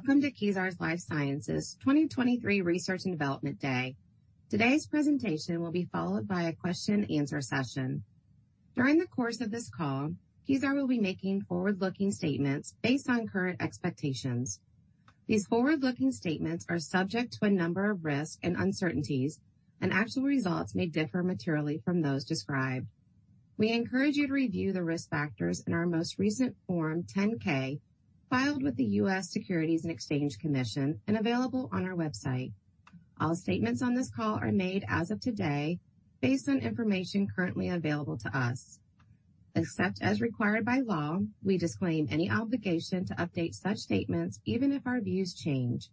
Welcome to Kezar Life Sciences 2023 Research and Development Day. Today's presentation will be followed by a question and answer session. During the course of this call, Kezar will be making forward-looking statements based on current expectations. These forward-looking statements are subject to a number of risks and uncertainties, and actual results may differ materially from those described. We encourage you to review the risk factors in our most recent Form 10-K filed with the U.S. Securities and Exchange Commission and available on our website. All statements on this call are made as of today, based on information currently available to us. Except as required by law, we disclaim any obligation to update such statements, even if our views change.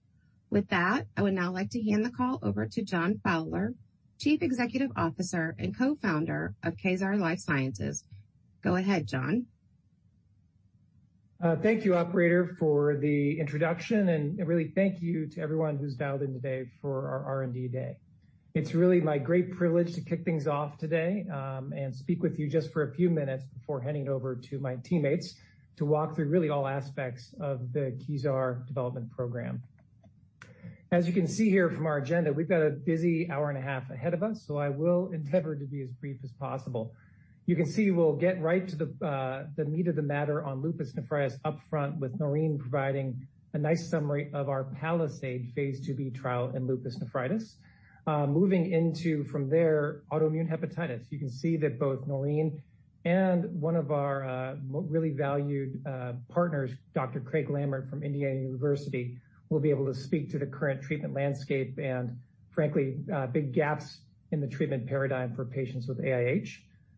With that, I would now like to hand the call over to John Fowler, Chief Executive Officer and Co-Founder of Kezar Life Sciences. Go ahead, John. Thank you operator for the introduction and really thank you to everyone who's dialed in today for our R&D day. It's really my great privilege to kick things off today and speak with you just for a few minutes before handing it over to my teammates to walk through really all aspects of the Kezar development program. As you can see here from our agenda, we've got a busy hour and a half ahead of us. I will endeavor to be as brief as possible. You can see we'll get right to the meat of the matter on lupus nephritis up front with Noreen providing a nice summary of our PALIZADE phase II-B trial in lupus nephritis. Moving into from there, autoimmune hepatitis. You can see that both Noreen and one of our really valued partners, Dr. Craig Lammert from Indiana University, will be able to speak to the current treatment landscape and frankly, big gaps in the treatment paradigm for patients with AIH.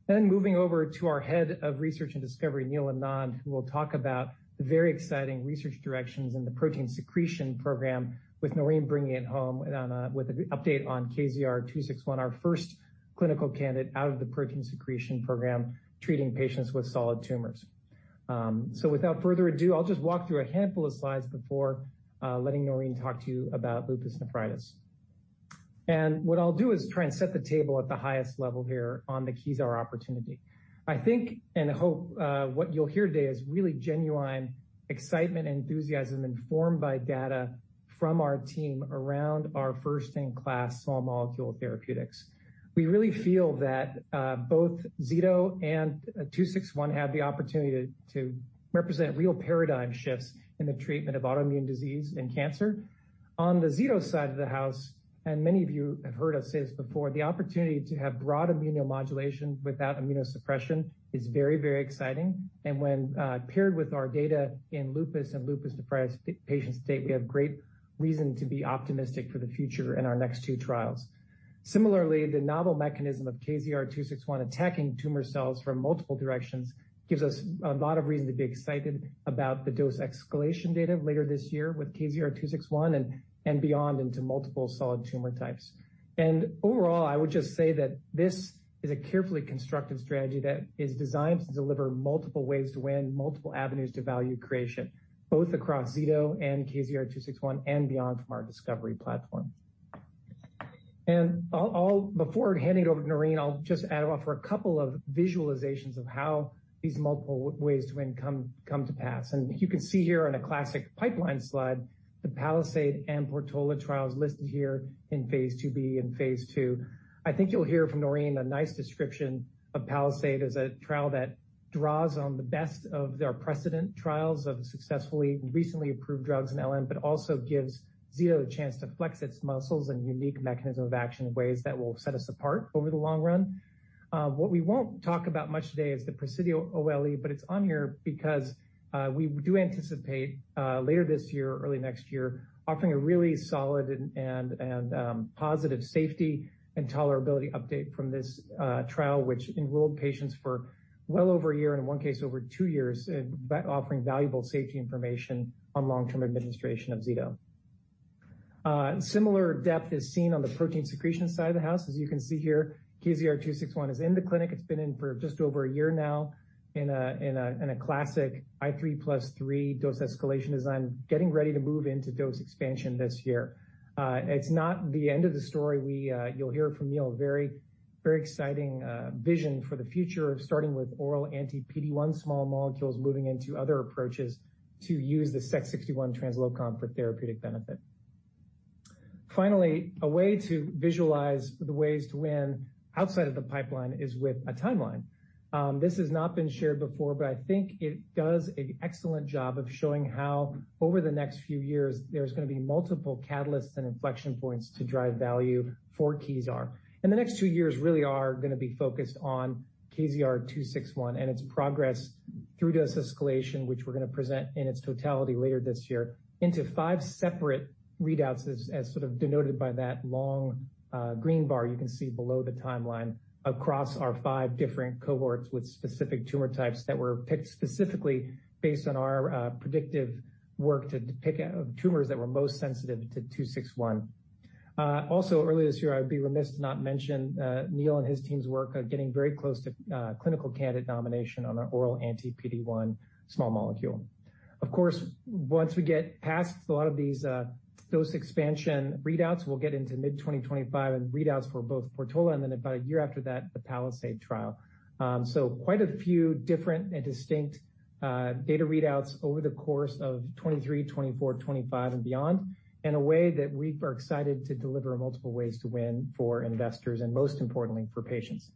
Moving over to our Head of Research and Discovery, Neel Anand, who will talk about the very exciting research directions in the protein secretion program, with Noreen bringing it home with an update on KZR-261, our first clinical candidate out of the protein secretion program, treating patients with solid tumors. Without further ado, I'll just walk through a handful of slides before letting Noreen talk to you about lupus nephritis. What I'll do is try and set the table at the highest level here on the Kezar opportunity. I think and hope, what you'll hear today is really genuine excitement and enthusiasm informed by data from our team around our first-in-class small molecule therapeutics. We really feel that, both zetomipzomib and KZR-261 have the opportunity to represent real paradigm shifts in the treatment of autoimmune disease and cancer. On the zetomipzomib side of the house, many of you have heard us say this before, the opportunity to have broad immunomodulation without immunosuppression is very, very exciting. When paired with our data in lupus and lupus nephritis patient state, we have great reason to be optimistic for the future in our next two trials. Similarly, the novel mechanism of KZR-261 attacking tumor cells from multiple directions gives us a lot of reason to be excited about the dose escalation data later this year with KZR-261 and beyond into multiple solid tumor types. Overall, I would just say that this is a carefully constructed strategy that is designed to deliver multiple ways to win, multiple avenues to value creation, both across zetomipzomib and KZR-261 and beyond from our discovery platform. Before handing it over to Noreen, I'll just offer a couple of visualizations of how these multiple ways to win come to pass. You can see here on a classic pipeline slide, the PALIZADE and PORTOLA trials listed here in phase II-B and phase II. I think you'll hear from Noreen a nice description of PALIZADE as a trial that draws on the best of their precedent trials of successfully and recently approved drugs in LN, but also gives zetomipzomib the chance to flex its muscles and unique mechanism of action in ways that will set us apart over the long run. What we won't talk about much today is the PRESIDIO OLE, but it's on here because we do anticipate later this year or early next year, offering a really solid and positive safety and tolerability update from this trial which enrolled patients for well over a year, in one case over two years, in by offering valuable safety information on long-term administration of zetomipzomib. Similar depth is seen on the protein secretion side of the house. As you can see here, KZR-261 is in the clinic. It's been in for just over a year now in a classic 3+3 dose escalation design, getting ready to move into dose expansion this year. It's not the end of the story. You'll hear from Neel a very, very exciting vision for the future of starting with oral anti-PD-1 small molecules, moving into other approaches to use the Sec61 translocon for therapeutic benefit. Finally, a way to visualize the ways to win outside of the pipeline is with a timeline. This has not been shared before, but I think it does a excellent job of showing how over the next few years, there's gonna be multiple catalysts and inflection points to drive value for Kezar. The next two years really are gonna be focused on KZR-261 and its progress through dose escalation, which we're gonna present in its totality later this year, into five separate readouts as sort of denoted by that long green bar you can see below the timeline across our five different cohorts with specific tumor types that were picked specifically based on our predictive work to pick out tumors that were most sensitive to KZR-261. Also early this year, I'd be remiss to not mention Neel and his team's work on getting very close to clinical candidate nomination on our oral anti-PD-1 small molecule. Of course, once we get past a lot of these dose expansion readouts, we'll get into mid-2025 and readouts for both PORTOLA and then about a year after that, the PALIZADE trial. Quite a few different and distinct data readouts over the course of 2023, 2024, 2025 and beyond, in a way that we are excited to deliver multiple ways to win for investors and most importantly, for patients.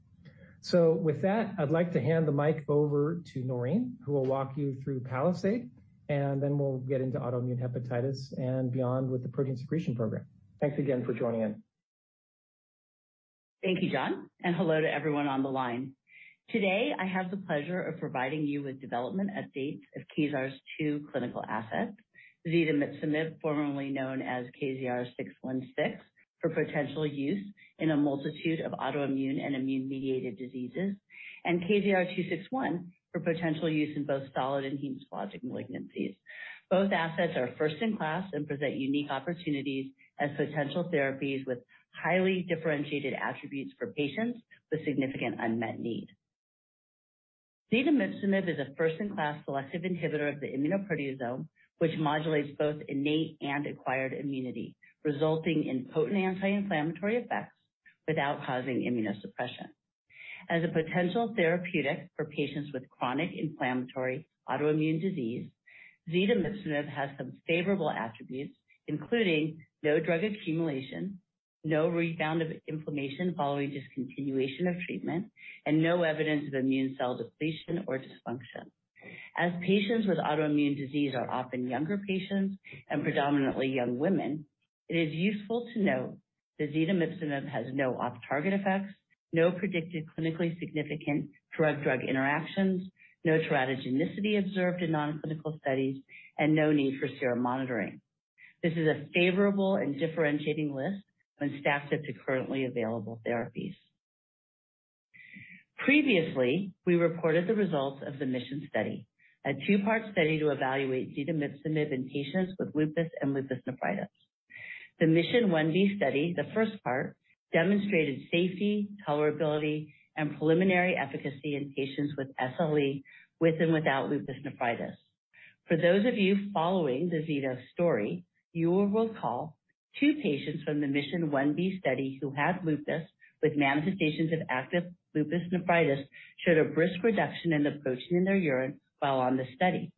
With that, I'd like to hand the mic over to Noreen, who will walk you through PALIZADE, and then we'll get into autoimmune hepatitis and beyond with the protein secretion program. Thanks again for joining in. Thank you, John, and hello to everyone on the line. Today, I have the pleasure of providing you with development updates of Kezar's two clinical assets. Zetomipzomib, formerly known as KZR-616, for potential use in a multitude of autoimmune and immune-mediated diseases. KZR-261 for potential use in both solid and hematologic malignancies. Both assets are first-in-class and present unique opportunities as potential therapies with highly differentiated attributes for patients with significant unmet need. Zetomipzomib is a first-in-class selective inhibitor of the immunoproteasome, which modulates both innate and acquired immunity, resulting in potent anti-inflammatory effects without causing immunosuppression. As a potential therapeutic for patients with chronic inflammatory autoimmune disease, zetomipzomib has some favorable attributes, including no drug accumulation, no rebound of inflammation following discontinuation of treatment, and no evidence of immune cell depletion or dysfunction. As patients with autoimmune disease are often younger patients and predominantly young women, it is useful to note that zetomipzomib has no off-target effects, no predicted clinically significant drug-drug interactions, no teratogenicity observed in non-clinical studies, and no need for serum monitoring. This is a favorable and differentiating list when stacked up to currently available therapies. Previously, we reported the results of the MISSION study, a two-part study to evaluate zetomipzomib in patients with lupus and lupus nephritis. The MISSION phase I-B study, the first part, demonstrated safety, tolerability, and preliminary efficacy in patients with SLE with and without lupus nephritis. For those of you following the zetomipzomib story, you will recall two patients from the MISSION phase I-B study who had lupus with manifestations of active lupus nephritis showed a brisk reduction in the protein in their urine while on the study.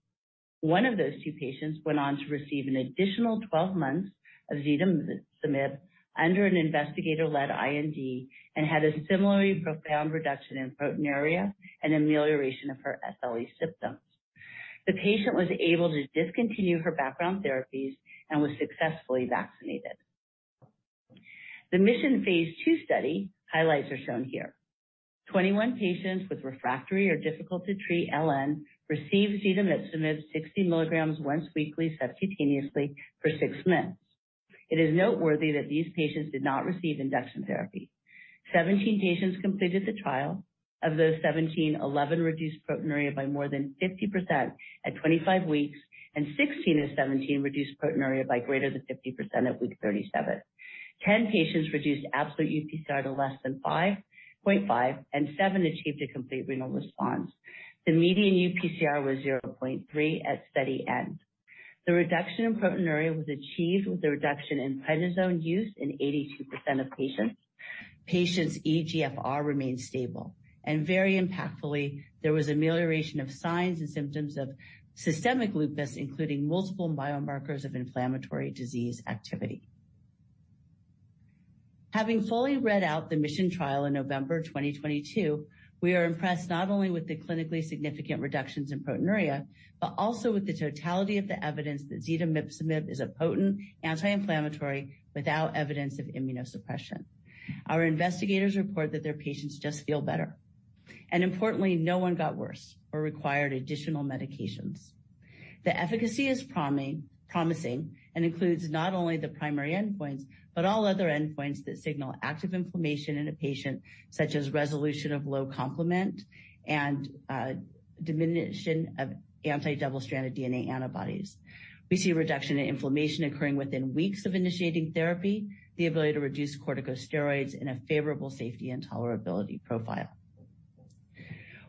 One of those two patients went on to receive an additional 12 months of zetomipzomib under an investigator-led IND and had a similarly profound reduction in proteinuria and amelioration of her SLE symptoms. The patient was able to discontinue her background therapies and was successfully vaccinated. The MISSION phase II study highlights are shown here. 21 patients with refractory or difficult-to-treat LN received zetomipzomib 60 milligrams once weekly subcutaneously for six months. It is noteworthy that these patients did not receive induction therapy. 17 patients completed the trial. Of those 17, 11 reduced proteinuria by more than 50% at 25 weeks, and 16 of 17 reduced proteinuria by greater than 50% at week 37. 10 patients reduced absolute UPCR to less than 5.5, and seven achieved a complete renal response. The median UPCR was 0.3 at study end. The reduction in proteinuria was achieved with a reduction in prednisone use in 82% of patients. Patients' eGFR remained stable. Very impactfully, there was amelioration of signs and symptoms of systemic lupus, including multiple biomarkers of inflammatory disease activity. Having fully read out the MISSION trial in November 2022, we are impressed not only with the clinically significant reductions in proteinuria, but also with the totality of the evidence that zetomipzomib is a potent anti-inflammatory without evidence of immunosuppression. Our investigators report that their patients just feel better. Importantly, no one got worse or required additional medications. The efficacy is promising and includes not only the primary endpoints but all other endpoints that signal active inflammation in a patient, such as resolution of low complement and diminution of anti-double stranded DNA antibodies. We see a reduction in inflammation occurring within weeks of initiating therapy, the ability to reduce corticosteroids in a favorable safety and tolerability profile.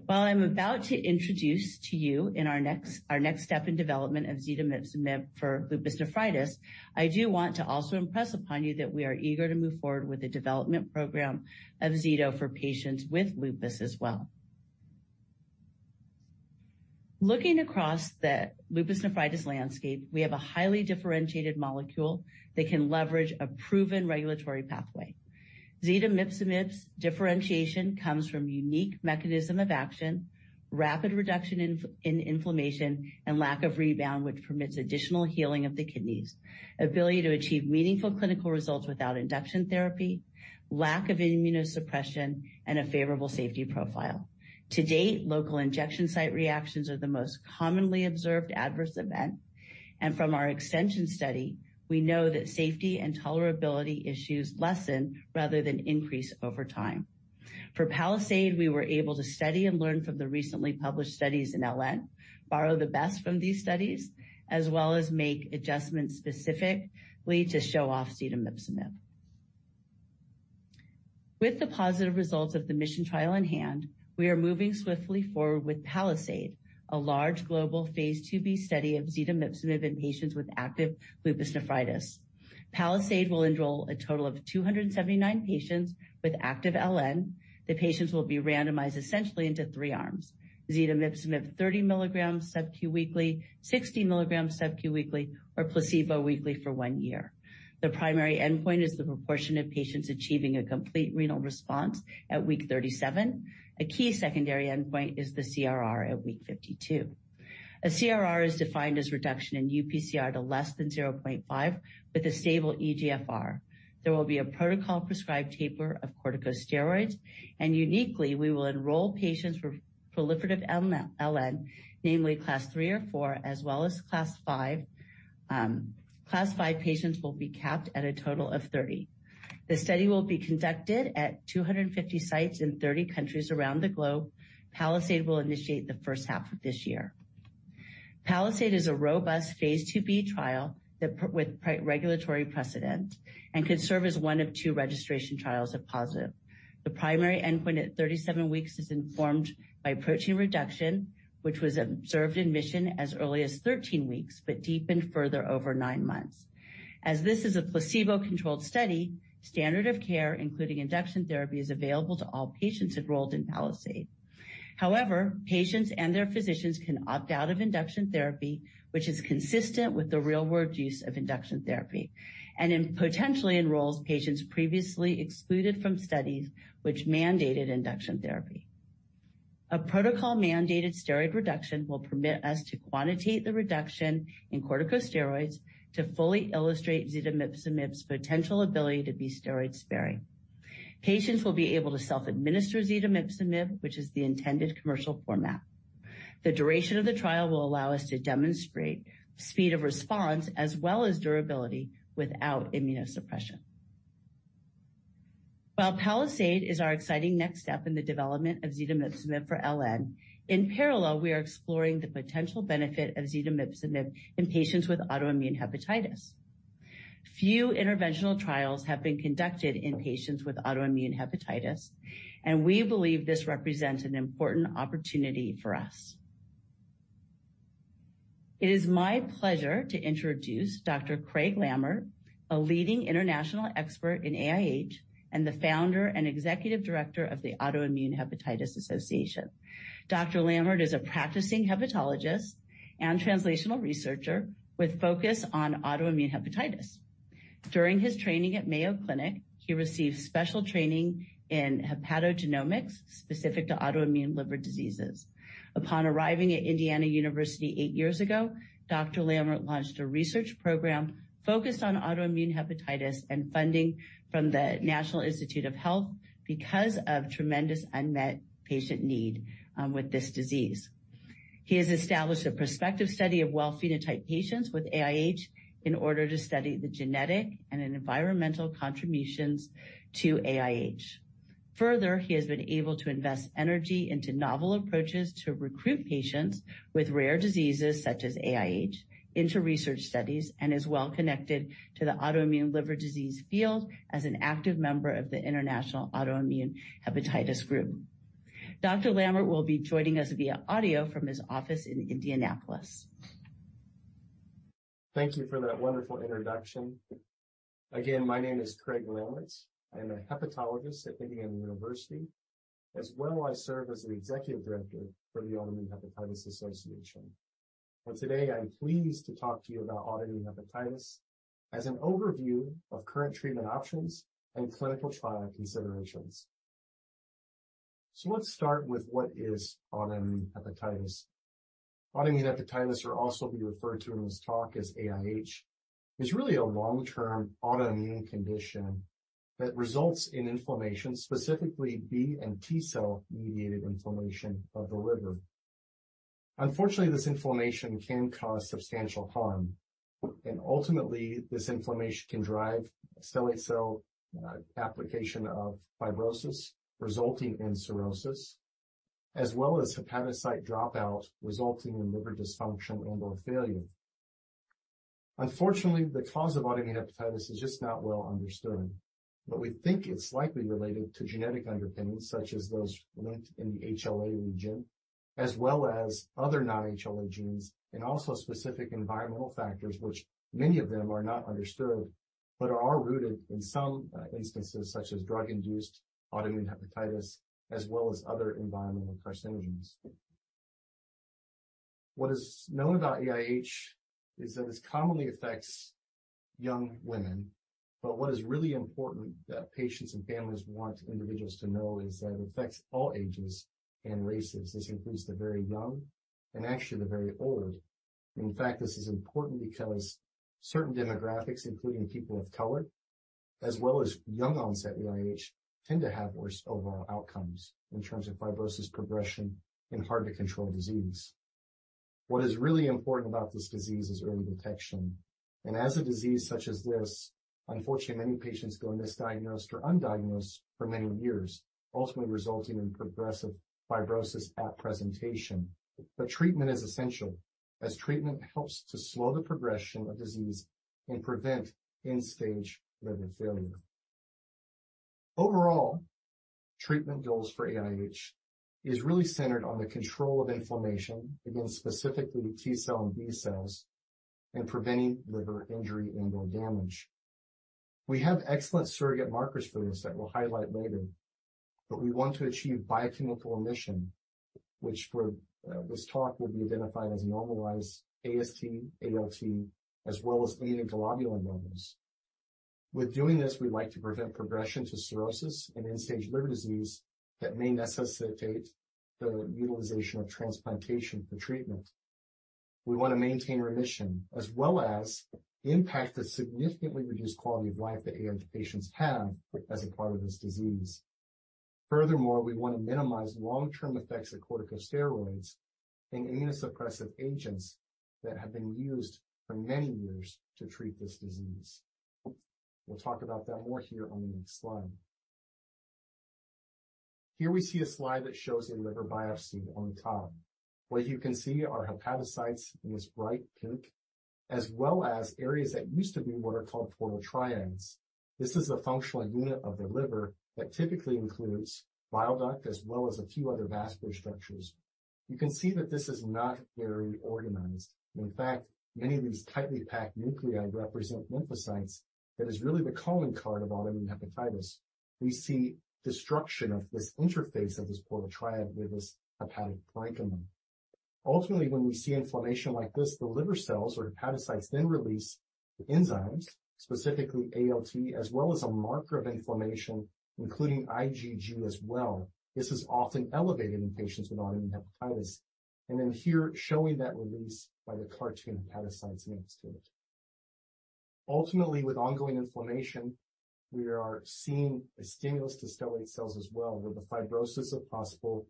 While I'm about to introduce to you in our next step in development of zetomipzomib for lupus nephritis, I do want to also impress upon you that we are eager to move forward with the development program of zetomipzomib for patients with lupus as well. Looking across the lupus nephritis landscape, we have a highly differentiated molecule that can leverage a proven regulatory pathway. Zetomipzomib's differentiation comes from unique mechanism of action, rapid reduction in inflammation and lack of rebound, which permits additional healing of the kidneys. Ability to achieve meaningful clinical results without induction therapy, lack of immunosuppression, and a favorable safety profile. To date, local injection site reactions are the most commonly observed adverse event. From our extension study, we know that safety and tolerability issues lessen rather than increase over time. For PALIZADE, we were able to study and learn from the recently published studies in LN, borrow the best from these studies, as well as make adjustments specifically to show off zetomipzomib. With the positive results of the MISSION trial in hand, we are moving swiftly forward with PALIZADE, a large global phase II-B study of zetomipzomib in patients with active lupus nephritis. PALIZADE will enroll a total of 279 patients with active LN. The patients will be randomized essentially into three arms. Zetomipzomib 30 milligrams subQ weekly, 60 milligrams subQ weekly, or placebo weekly for one year. The primary endpoint is the proportion of patients achieving a complete renal response at week 37. A key secondary endpoint is the CRR at week 52. A CRR is defined as reduction in UPCR to less than 0.5 with a stable eGFR. There will be a protocol-prescribed taper of corticosteroids. Uniquely, we will enroll patients with proliferative LN, namely Class III or IV, as well as Class V. Class V patients will be capped at a total of 30. The study will be conducted at 250 sites in 30 countries around the globe. PALIZADE will initiate the first half of this year. PALIZADE is a robust phase II-B trial with pre-regulatory precedent and could serve as one of two registration trials if positive. The primary endpoint at 37 weeks is informed by protein reduction, which was observed in MISSION as early as 13 weeks, but deepened further over nine months. As this is a placebo-controlled study, standard of care, including induction therapy, is available to all patients enrolled in PALIZADE. However, patients and their physicians can opt out of induction therapy, which is consistent with the real-world use of induction therapy and potentially enrolls patients previously excluded from studies which mandated induction therapy. A protocol-mandated steroid reduction will permit us to quantitate the reduction in corticosteroids to fully illustrate zetomipzomib's potential ability to be steroid-sparing. Patients will be able to self-administer zetomipzomib, which is the intended commercial format. The duration of the trial will allow us to demonstrate speed of response as well as durability without immunosuppression. While PALIZADE is our exciting next step in the development of zetomipzomib for LN, in parallel, we are exploring the potential benefit of zetomipzomib in patients with autoimmune hepatitis. Few interventional trials have been conducted in patients with autoimmune hepatitis, and we believe this represents an important opportunity for us. It is my pleasure to introduce Dr. Craig Lammert, a leading international expert in AIH and the founder and executive director of the Autoimmune Hepatitis Association. Dr. Lammert is a practicing hepatologist and translational researcher with focus on autoimmune hepatitis. During his training at Mayo Clinic, he received special training in hepatogenomics specific to autoimmune liver diseases. Upon arriving at Indiana University eight years ago, Dr. Lammert launched a research program focused on autoimmune hepatitis and funding from the National Institutes of Health because of tremendous unmet patient need with this disease. He has established a prospective study of well-phenotype patients with AIH in order to study the genetic and environmental contributions to AIH. Further, he has been able to invest energy into novel approaches to recruit patients with rare diseases such as AIH into research studies and is well connected to the autoimmune liver disease field as an active member of the International Autoimmune Hepatitis Group. Dr. Lammert will be joining us via audio from his office in Indianapolis. Thank you for that wonderful introduction. Again, my name is Craig S. Lammert. I am a hepatologist at Indiana University. I serve as the executive director for the Autoimmune Hepatitis Association. Today, I'm pleased to talk to you about autoimmune hepatitis as an overview of current treatment options and clinical trial considerations. Let's start with what is autoimmune hepatitis. Autoimmune hepatitis, or also be referred to in this talk as AIH, is really a long-term autoimmune condition that results in inflammation, specifically B and T-cell-mediated inflammation of the liver. Unfortunately, this inflammation can cause substantial harm, and ultimately, this inflammation can drive stellate cell application of fibrosis, resulting in cirrhosis, as well as hepatocyte dropout, resulting in liver dysfunction and/or failure. Unfortunately, the cause of autoimmune hepatitis is just not well understood. We think it's likely related to genetic underpinnings such as those linked in the HLA region, as well as other non-HLA genes and also specific environmental factors, which many of them are not understood but are rooted in some instances, such as drug-induced autoimmune hepatitis, as well as other environmental carcinogens. What is known about AIH is that this commonly affects young women. What is really important that patients and families want individuals to know is that it affects all ages and races. This includes the very young and actually the very old. In fact, this is important because certain demographics, including people of color as well as young onset AIH, tend to have worse overall outcomes in terms of fibrosis progression and hard-to-control disease. What is really important about this disease is early detection. As a disease such as this, unfortunately, many patients go misdiagnosed or undiagnosed for many years, ultimately resulting in progressive fibrosis at presentation. Treatment is essential. As treatment helps to slow the progression of disease and prevent end-stage liver failure. Overall, treatment goals for AIH is really centered on the control of inflammation against specifically T-cell and B-cells and preventing liver injury and or damage. We have excellent surrogate markers for this that we'll highlight later, but we want to achieve biochemical remission, which for this talk would be identified as normalized AST, ALT, as well as immunoglobulin levels. With doing this, we'd like to prevent progression to cirrhosis and end-stage liver disease that may necessitate the utilization of transplantation for treatment. We want to maintain remission as well as impact the significantly reduced quality of life that AIH patients have as a part of this disease. We want to minimize long-term effects of corticosteroids and immunosuppressive agents that have been used for many years to treat this disease. We'll talk about that more here on the next slide. Here we see a slide that shows a liver biopsy on top. What you can see are hepatocytes in this bright pink, as well as areas that used to be what are called portal triads. This is a functional unit of the liver that typically includes bile duct as well as a few other vascular structures. You can see that this is not very organized. In fact, many of these tightly packed nuclei represent lymphocytes that is really the calling card of autoimmune hepatitis. We see destruction of this interface of this portal triad with this hepatic parenchyma. Ultimately, when we see inflammation like this, the liver cells or hepatocytes then release enzymes, specifically ALT, as well as a marker of inflammation, including IgG as well. This is often elevated in patients with autoimmune hepatitis, and then here showing that release by the cartoon hepatocytes next to it. Ultimately, with ongoing inflammation, we are seeing a stimulus to stellate cells as well, with the fibrosis of possible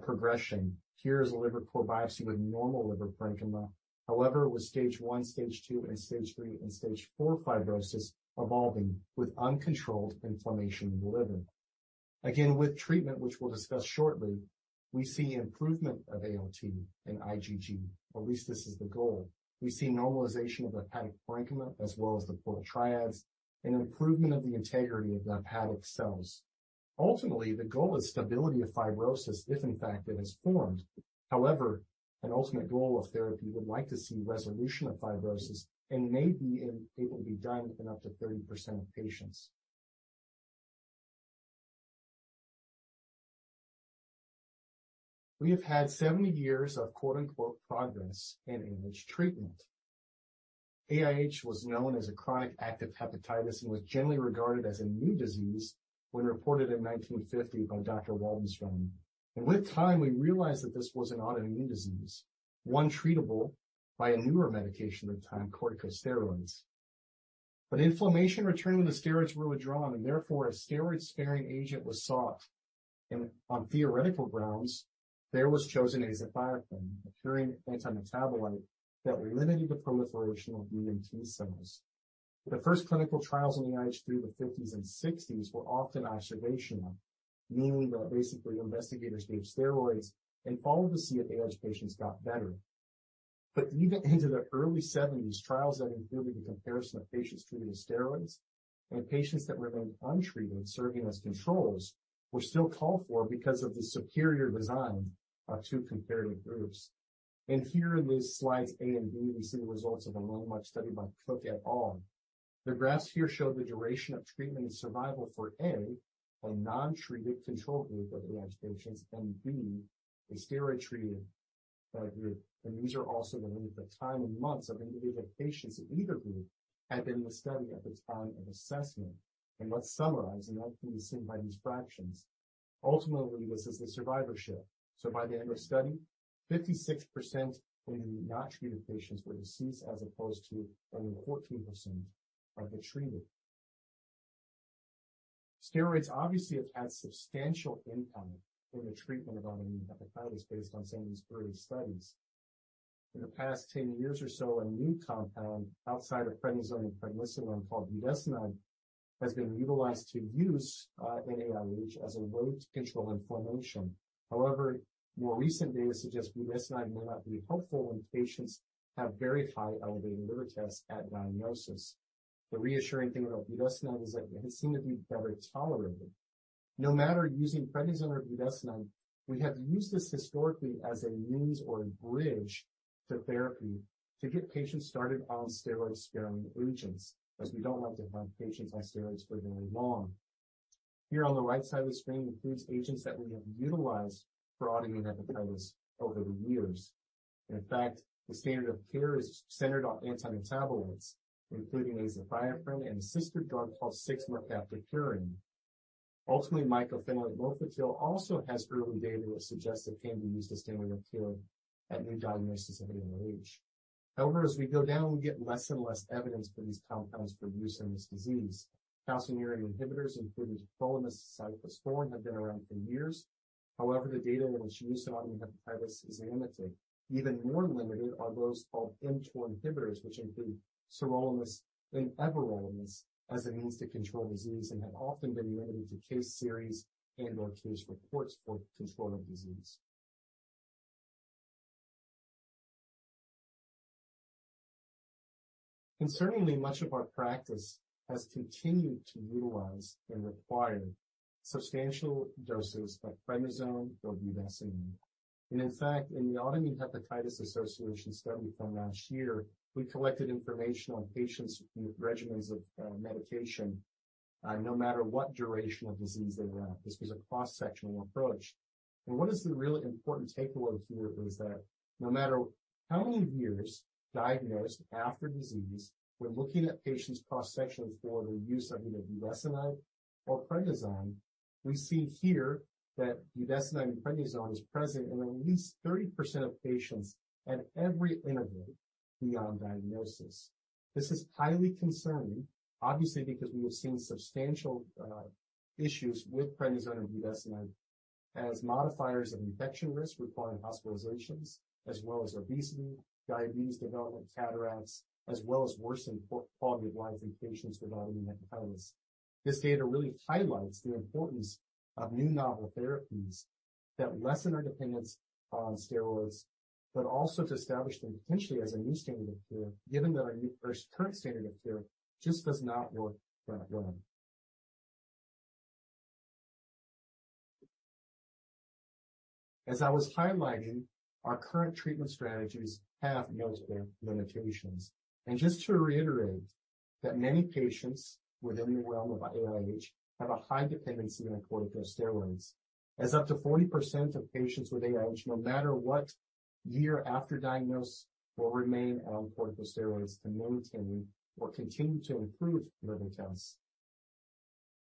progression. Here is a liver core biopsy with normal liver parenchyma. However, with stage one, stage two, and stage three, and stage four fibrosis evolving with uncontrolled inflammation in the liver. Again, with treatment, which we'll discuss shortly, we see improvement of ALT and IgG, or at least this is the goal. We see normalization of the hepatic parenchyma as well as the portal triads and improvement of the integrity of the hepatic cells. Ultimately, the goal is stability of fibrosis if in fact it has formed. However, an ultimate goal of therapy would like to see resolution of fibrosis and may be able to be done in up to 30% of patients. We have had 70 years of quote-unquote progress in AIH treatment. AIH was known as a chronic active hepatitis and was generally regarded as a new disease when reported in 1950 by Dr. Waldenström. With time, we realized that this was an autoimmune disease, one treatable by a newer medication at the time, corticosteroids. Inflammation returned when the steroids were withdrawn, and therefore a steroid-sparing agent was sought. On theoretical grounds, there was chosen azathioprine, a purine antimetabolite that limited the proliferation of B and T-cells. The first clinical trials in AIH through the fifties and sixties were often observational, meaning that basically investigators gave steroids and followed to see if AIH patients got better. Even into the early seventies, trials that included the comparison of patients treated with steroids and patients that remained untreated serving as controls were still called for because of the superior design of two comparative groups. Here in these slides A and B, we see the results of a well-known study by Cook et al. The graphs here show the duration of treatment and survival for A, a non-treated control group of AIH patients, and B, a steroid-treated group. These are also the length of time in months of individual patients in either group had been in the study at the time of assessment. Let's summarize, and that can be seen by these fractions. Ultimately, this is a survivorship. By the end of study, 56% of the not treated patients were deceased as opposed to only 14% of the treated. Steroids obviously have had substantial impact in the treatment of autoimmune hepatitis based on some of these early studies. In the past 10 years or so, a new compound outside of prednisone and prednisolone called budesonide has been utilized to use in AIH as a way to control inflammation. More recent data suggests budesonide may not be helpful when patients have very high elevated liver tests at diagnosis. The reassuring thing about budesonide is that it has seemed to be better tolerated. No matter using prednisone or budesonide, we have used this historically as a means or a bridge to therapy to get patients started on steroid-sparing agents, as we don't like to have patients on steroids for very long. Here on the right side of the screen includes agents that we have utilized for autoimmune hepatitis over the years. In fact, the standard of care is centered on antimetabolites, including azathioprine and a sister drug called 6-mercaptopurine. Ultimately, mycophenolate mofetil also has early data that suggests it can be used as standard of care at new diagnosis of AIH. However, as we go down, we get less and less evidence for these compounds for use in this disease. Calcineurin inhibitors, including tacrolimus and ciclosporin, have been around for years. However, the data in its use on hepatitis is limited. Even more limited are those called mTOR inhibitors, which include sirolimus and everolimus as a means to control disease and have often been limited to case series and or case reports for control of disease. Concerningly, much of our practice has continued to utilize and require substantial doses of prednisone or budesonide. In fact, in the Autoimmune Hepatitis Association study from last year, we collected information on patients' regimens of medication no matter what duration of disease they were at. This was a cross-sectional approach. What is the really important takeaway here is that no matter how many years diagnosed after disease, we're looking at patients cross-sectionally for the use of either budesonide or prednisone. We see here that budesonide and prednisone is present in at least 30% of patients at every interval beyond diagnosis. This is highly concerning, obviously, because we have seen substantial issues with prednisone and budesonide as modifiers of infection risk requiring hospitalizations, as well as obesity, diabetes development, cataracts, as well as worsened quality of life in patients with autoimmune hepatitis. This data really highlights the importance of new novel therapies that lessen our dependence on steroids, but also to establish them potentially as a new standard of care, given that our new first current standard of care just does not work that well. As I was highlighting, our current treatment strategies have notable limitations. Just to reiterate that many patients within the realm of AIH have a high dependency on corticosteroids, as up to 40% of patients with AIH, no matter what year after diagnosis, will remain on corticosteroids to maintain or continue to improve liver tests.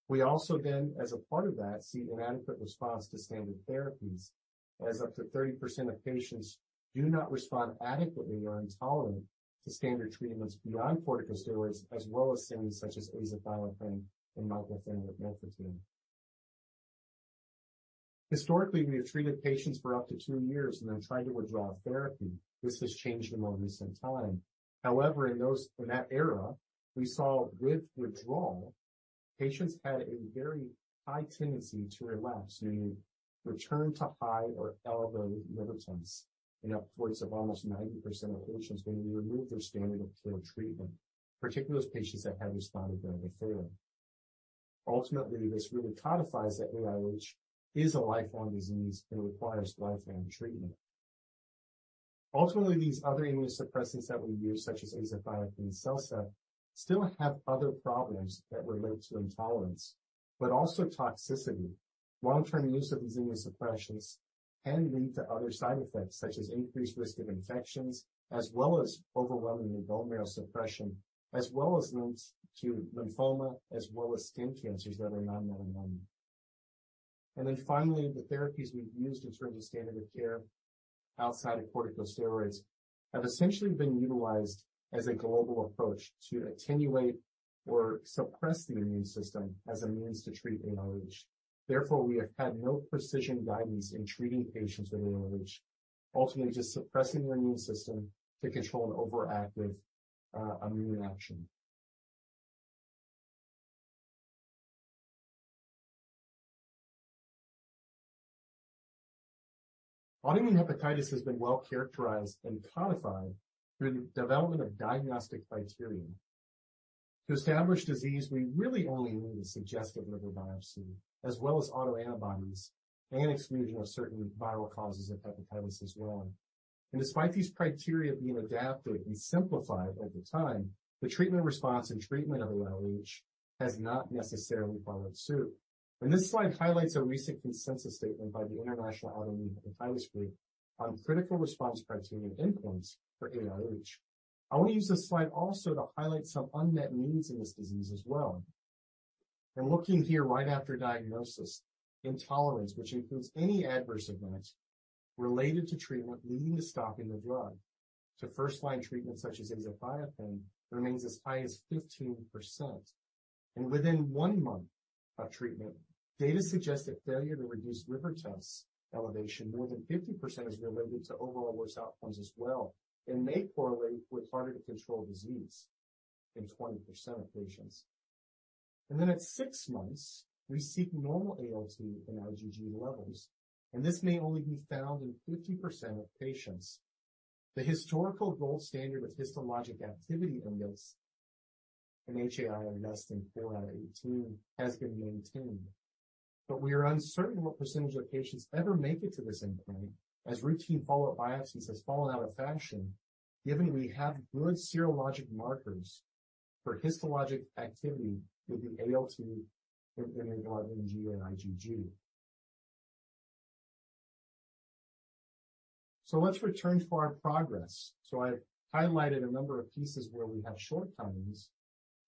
We also, as a part of that, see inadequate response to standard therapies, as up to 30% of patients do not respond adequately or are intolerant to standard treatments beyond corticosteroids, as well as things such as azathioprine and mycophenolate mofetil. Historically, we have treated patients for up to two years and then tried to withdraw therapy. This has changed in more recent time. However, in that era, we saw with withdrawal, patients had a very high tendency to relapse, meaning return to high or elevated liver tests in upwards of almost 90% of patients when we remove their standard of care treatment, particularly those patients that had responded very fairly. Ultimately, this really codifies that AIH is a lifelong disease and requires lifelong treatment. Ultimately, these other immunosuppressants that we use, such as azathioprine CellCept, still have other problems that relate to intolerance, but also toxicity. Long-term use of these immunosuppressants can lead to other side effects, such as increased risk of infections, as well as overwhelmingly bone marrow suppression, as well as linked to lymphoma, as well as skin cancers that are non-melanoma. Finally, the therapies we've used in terms of standard of care outside of corticosteroids have essentially been utilized as a global approach to attenuate or suppress the immune system as a means to treat AIH. Therefore, we have had no precision guidance in treating patients with AIH, ultimately just suppressing their immune system to control an overactive immune reaction. Autoimmune hepatitis has been well characterized and codified through the development of diagnostic criteria. To establish disease, we really only need a suggestive liver biopsy, as well as autoantibodies and exclusion of certain viral causes of hepatitis as well. Despite these criteria being adapted and simplified over time, the treatment response and treatment of AIH has not necessarily followed suit. This slide highlights a recent consensus statement by the International Autoimmune Hepatitis Group on critical response criteria endpoints for AIH. I want to use this slide also to highlight some unmet needs in this disease as well. Looking here right after diagnosis, intolerance, which includes any adverse events related to treatment leading to stopping the drug to first-line treatment such as azathioprine, remains as high as 15%. Within one month of treatment, data suggest that failure to reduce liver tests elevation more than 50% is related to overall worse outcomes as well, and may correlate with harder to control disease in 20% of patients. At six months, we seek normal ALT and IgG levels, and this may only be found in 50% of patients. The historical gold standard of histologic activity end deals in HAI are nesting fill out 18 has been maintained. We are uncertain what percentage of patients ever make it to this endpoint as routine follow-up biopsies has fallen out of fashion, given we have good serologic markers for histologic activity with the ALT and NRNG and IgG. Let's return to our progress. I've highlighted a number of pieces where we have shortcomings.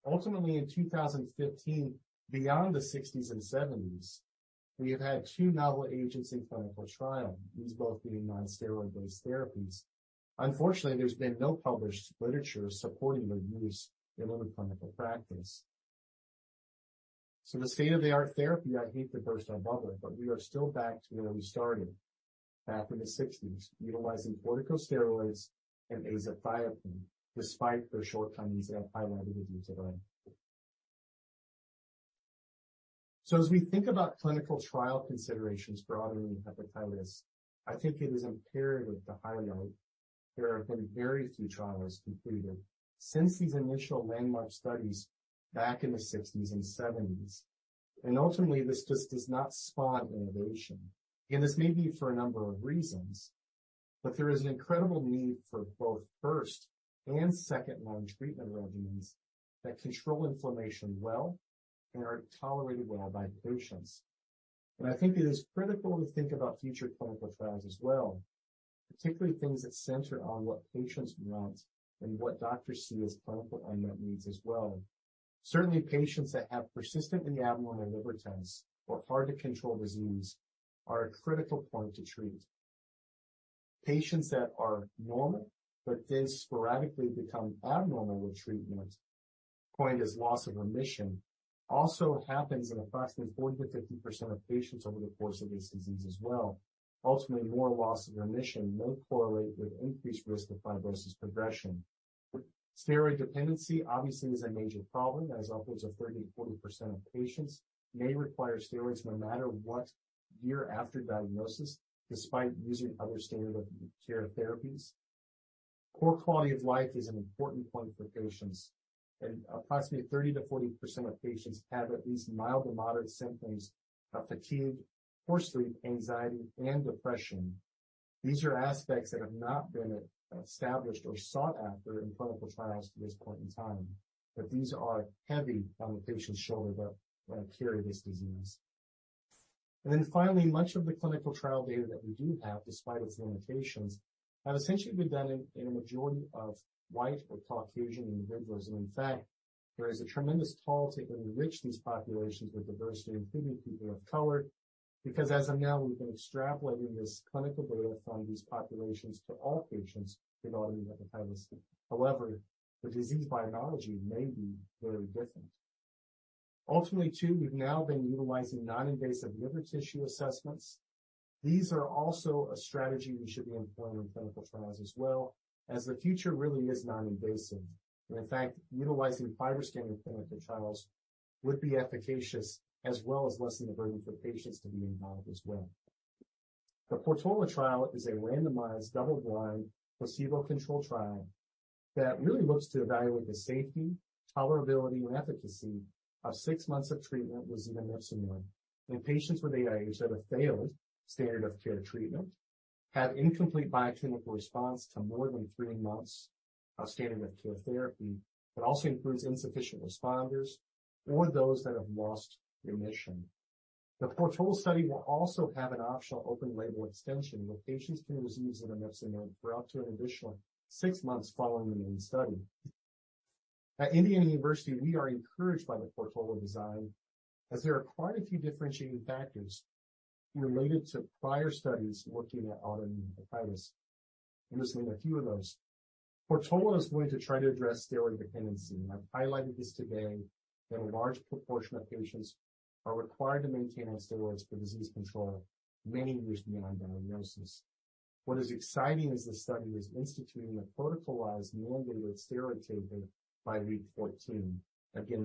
Ultimately, in 2015, beyond the 1960s and 1970s, we have had two novel agents in clinical trial, these both being non-steroid-based therapies. Unfortunately, there's been no published literature supporting their use in clinical practice. The state-of-the-art therapy, I hate to burst our bubble, but we are still back to where we started back in the 1960s, utilizing corticosteroids and azathioprine, despite their shortcomings that I highlighted with you today. As we think about clinical trial considerations for autoimmune hepatitis, I think it is imperative to highlight there have been very few trials completed since these initial landmark studies back in the 1960s and 1970s. Ultimately, this just does not spot innovation. This may be for a number of reasons, but there is an incredible need for both first and second-line treatment regimens that control inflammation well and are tolerated well by patients. I think it is critical to think about future clinical trials as well, particularly things that center on what patients want and what doctors see as clinical unmet needs as well. Certainly, patients that have persistent abnormal liver tests or hard to control disease are a critical point to treat. Patients that are normal but then sporadically become abnormal with treatment, coined as loss of remission, also happens in approximately 40%-50% of patients over the course of this disease as well. Ultimately, more loss of remission may correlate with increased risk of fibrosis progression. Steroid dependency obviously is a major problem, as upwards of 30%-40% of patients may require steroids no matter what year after diagnosis, despite using other standard of care therapies. Poor quality of life is an important point for patients. Approximately 30%-40% of patients have at least mild to moderate symptoms of fatigue, poor sleep, anxiety, and depression. These are aspects that have not been established or sought after in clinical trials to this point in time, but these are heavy on the patient's shoulder when carrying this disease. Finally, much of the clinical trial data that we do have, despite its limitations, have essentially been done in a majority of white or Caucasian individuals. In fact, there is a tremendous call to enrich these populations with diversity, including people of color. As of now, we've been extrapolating this clinical data from these populations to all patients with autoimmune hepatitis. However, the disease biology may be very different. Ultimately, too, we've now been utilizing non-invasive liver tissue assessments. These are also a strategy we should be employing in clinical trials as well, as the future really is non-invasive. In fact, utilizing FibroScan in clinical trials would be efficacious as well as lessen the burden for patients to be involved as well. The PORTOLA trial is a randomized, double-blind, placebo-controlled trial that really looks to evaluate the safety, tolerability, and efficacy of six months of treatment with zetomipzomib in patients with AIH that have failed standard of care treatment, have incomplete biochemical response to more than three months of standard of care therapy. It also includes insufficient responders or those that have lost remission. The PORTOLA study will also have an optional open label extension where patients can receive zetomipzomib for up to an additional six months following the main study. At Indiana University, we are encouraged by the PORTOLA design as there are quite a few differentiating factors related to prior studies looking at autoimmune hepatitis. Just to name a few of those, PORTOLA is going to try to address steroid dependency. I've highlighted this today that a large proportion of patients are required to maintain on steroids for disease control many years beyond diagnosis. What is exciting is the study is instituting a protocolized mandated steroid taper by week 14.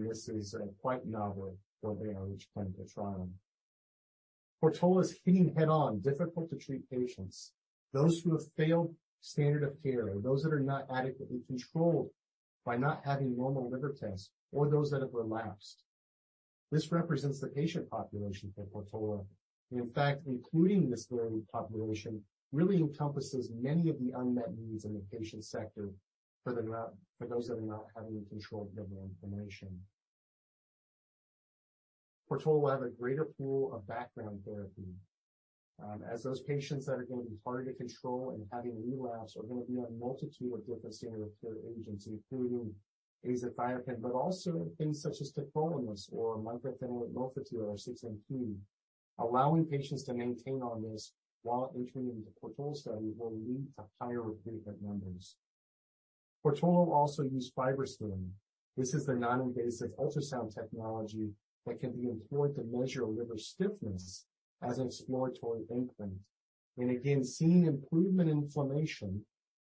This is quite novel for the AIH clinical trial. PORTOLA is hitting head-on difficult to treat patients, those who have failed standard of care, or those that are not adequately controlled by not having normal liver tests or those that have relapsed. This represents the patient population for PORTOLA. In fact, including this varied population really encompasses many of the unmet needs in the patient sector for those that are not having controlled liver inflammation. PORTOLA will have a greater pool of background therapy as those patients that are going to be harder to control and having relapse are going to be on a multitude of different standard of care agents, including azathioprine, but also things such as tacrolimus or mycophenolate mofetil or 6-MP. Allowing patients to maintain on this while entering into the PORTOLA study will lead to higher recruitment numbers. PORTOLA will also use FibroScan. This is the non-invasive ultrasound technology that can be employed to measure liver stiffness as an exploratory endpoint. Again, seeing improvement in inflammation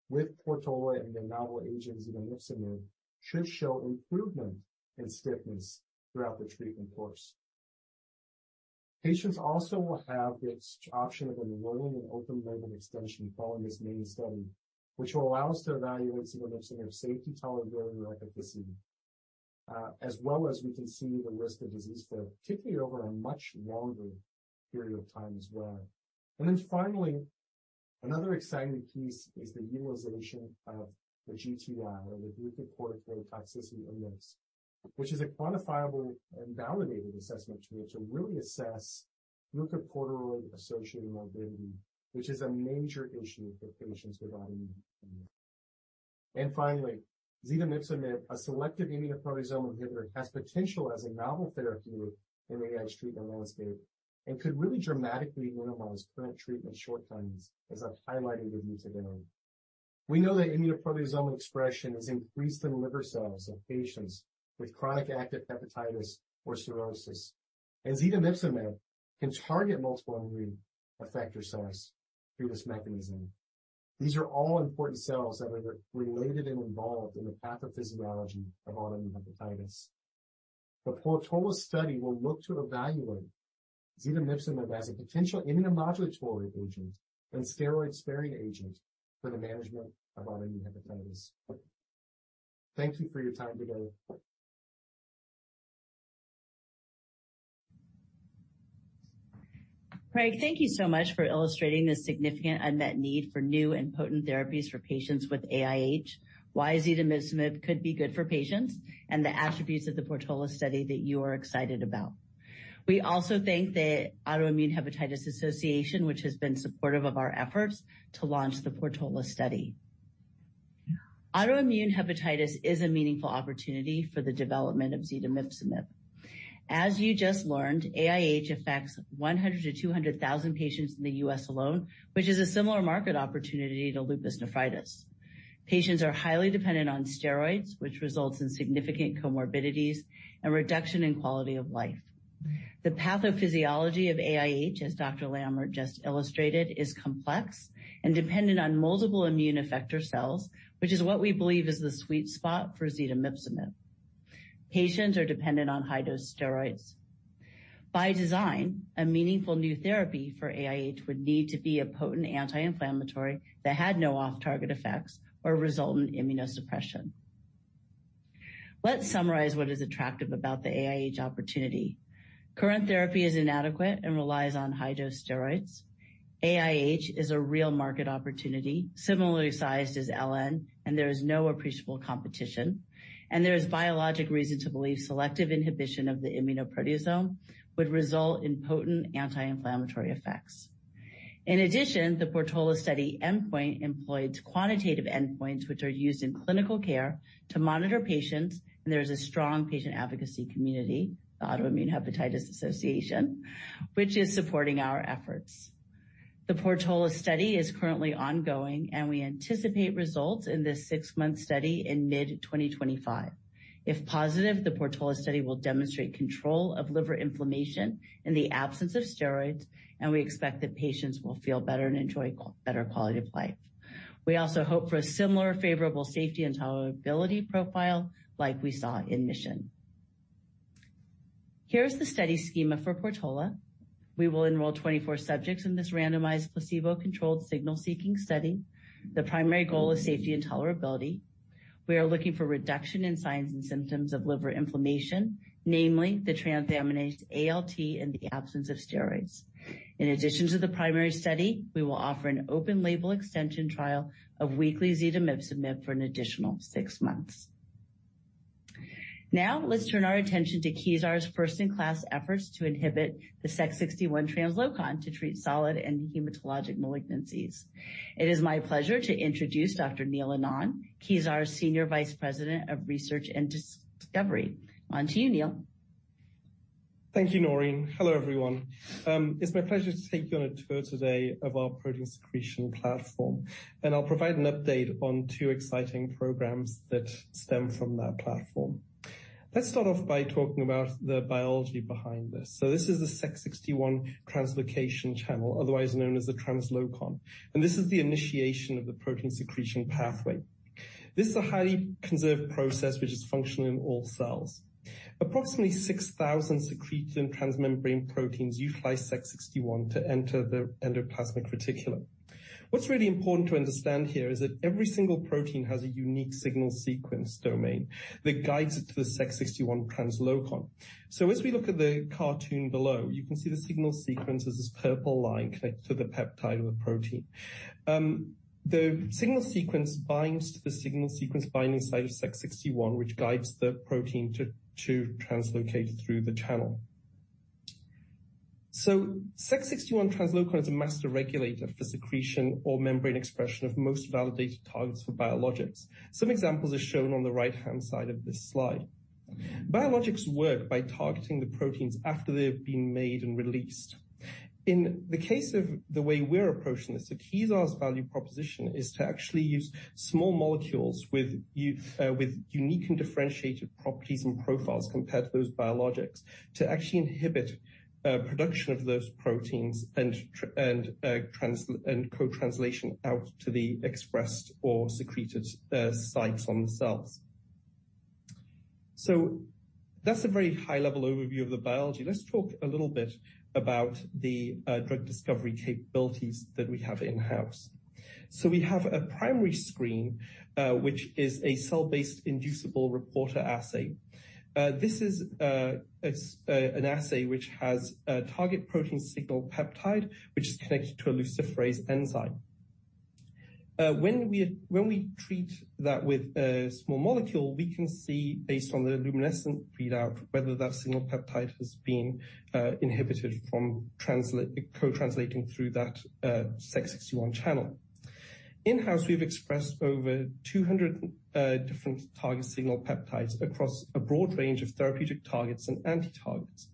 with PORTOLA and the novel agent zetomipzomib should show improvement in stiffness throughout the treatment course. Patients also will have this option of enrolling in open label extension following this main study, which will allow us to evaluate zetomipzomib safety, tolerability, and efficacy, as well as we can see the risk of disease, particularly over a much longer period of time as well. Finally, another exciting piece is the utilization of the GTI or the glucocorticoid toxicity index, which is a quantifiable and validated assessment tool to really assess glucocorticoid associated morbidity, which is a major issue for patients with autoimmune hepatitis. Finally, zetomipzomib, a selective immunoproteasome inhibitor, has potential as a novel therapy in AIH treatment landscape and could really dramatically minimize current treatment shortcomings as I've highlighted with you today. We know that immunoproteasome expression is increased in liver cells of patients with chronic active hepatitis or cirrhosis, and zetomipzomib can target multiple immune effector cells through this mechanism. These are all important T-cells that are related and involved in the pathophysiology of autoimmune hepatitis. The PORTOLA study will look to evaluate zetomipzomib as a potential immunomodulatory agent and steroid-sparing agent for the management of autoimmune hepatitis. Thank you for your time today. Craig, thank you so much for illustrating the significant unmet need for new and potent therapies for patients with AIH, why zetomipzomib could be good for patients, the attributes of the PORTOLA study that you are excited about. We also thank the Autoimmune Hepatitis Association, which has been supportive of our efforts to launch the PORTOLA study. Autoimmune hepatitis is a meaningful opportunity for the development of zetomipzomib. As you just learned, AIH affects 100,000 to 200,000 patients in the U.S. alone, which is a similar market opportunity to lupus nephritis. Patients are highly dependent on steroids, which results in significant comorbidities and reduction in quality of life. The pathophysiology of AIH, as Dr. Lammert just illustrated, is complex and dependent on multiple immune effector cells, which is what we believe is the sweet spot for zetomipzomib. Patients are dependent on high-dose steroids. By design, a meaningful new therapy for AIH would need to be a potent anti-inflammatory that had no off-target effects or result in immunosuppression. Let's summarize what is attractive about the AIH opportunity. Current therapy is inadequate and relies on high-dose steroids. AIH is a real market opportunity, similarly sized as LN, and there is no appreciable competition. There is biologic reason to believe selective inhibition of the immunoproteasome would result in potent anti-inflammatory effects. In addition, the PORTOLA study endpoint employs quantitative endpoints, which are used in clinical care to monitor patients. There's a strong patient advocacy community, the Autoimmune Hepatitis Association, which is supporting our efforts. The PORTOLA study is currently ongoing, and we anticipate results in this six-month study in mid 2025. If positive, the PORTOLA study will demonstrate control of liver inflammation in the absence of steroids, and we expect that patients will feel better and enjoy better quality of life. We also hope for a similar favorable safety and tolerability profile like we saw in MISSION. Here's the study schema for PORTOLA. We will enroll 24 subjects in this randomized placebo-controlled signal-seeking study. The primary goal is safety and tolerability. We are looking for reduction in signs and symptoms of liver inflammation, namely the transaminase ALT in the absence of steroids. In addition to the primary study, we will offer an open label extension trial of weekly zetomipzomib for an additional six months. Let's turn our attention to Kezar's first-in-class efforts to inhibit the Sec61 translocon to treat solid and hematologic malignancies. It is my pleasure to introduce Dr. Neel Anand, Kezar's Senior Vice President of Research and Discovery. On to you, Neel. Thank you, Noreen. Hello, everyone. It's my pleasure to take you on a tour today of our protein secretion platform. I'll provide an update on two exciting programs that stem from that platform. Let's start off by talking about the biology behind this. This is the Sec61 translocon channel, otherwise known as the translocon. This is the initiation of the protein secretion pathway. This is a highly conserved process which is functional in all cells. Approximately 6,000 secreted transmembrane proteins utilize Sec61 to enter the endoplasmic reticulum. What's really important to understand here is that every single protein has a unique signal sequence domain that guides it to the Sec61 translocon. As we look at the cartoon below, you can see the signal sequence as this purple line connected to the peptide of the protein. The signal sequence binds to the signal sequence binding site of Sec61, which guides the protein to translocate through the channel. Sec61 translocon is a master regulator for secretion or membrane expression of most validated targets for biologics. Some examples are shown on the right-hand side of this slide. Biologics work by targeting the proteins after they've been made and released. In the case of the way we're approaching this, Kezar's value proposition is to actually use small molecules with unique and differentiated properties and profiles compared to those biologics to actually inhibit production of those proteins and co-translation out to the expressed or secreted sites on the cells. That's a very high-level overview of the biology. Let's talk a little bit about the drug discovery capabilities that we have in-house. We have a primary screen, which is a cell-based inducible reporter assay. This is an assay which has a target protein signal peptide, which is connected to a luciferase enzyme. When we treat that with a small molecule, we can see based on the luminescent readout whether that signal peptide has been inhibited from co-translating through that Sec61 translocon. In-house, we've expressed over 200 different target signal peptides across a broad range of therapeutic targets and anti-targets.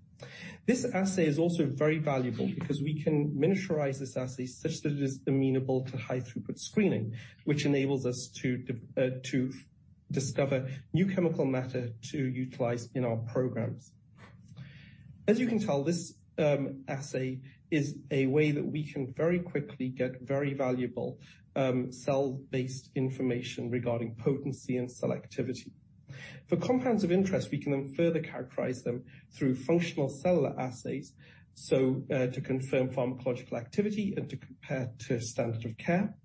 This assay is also very valuable because we can miniaturize this assay such that it is amenable to high-throughput screening, which enables us to discover new chemical matter to utilize in our programs. As you can tell, this assay is a way that we can very quickly get very valuable cell-based information regarding potency and selectivity. For compounds of interest, we can then further characterize them through functional cellular assays, to confirm pharmacological activity and to compare to standard of care.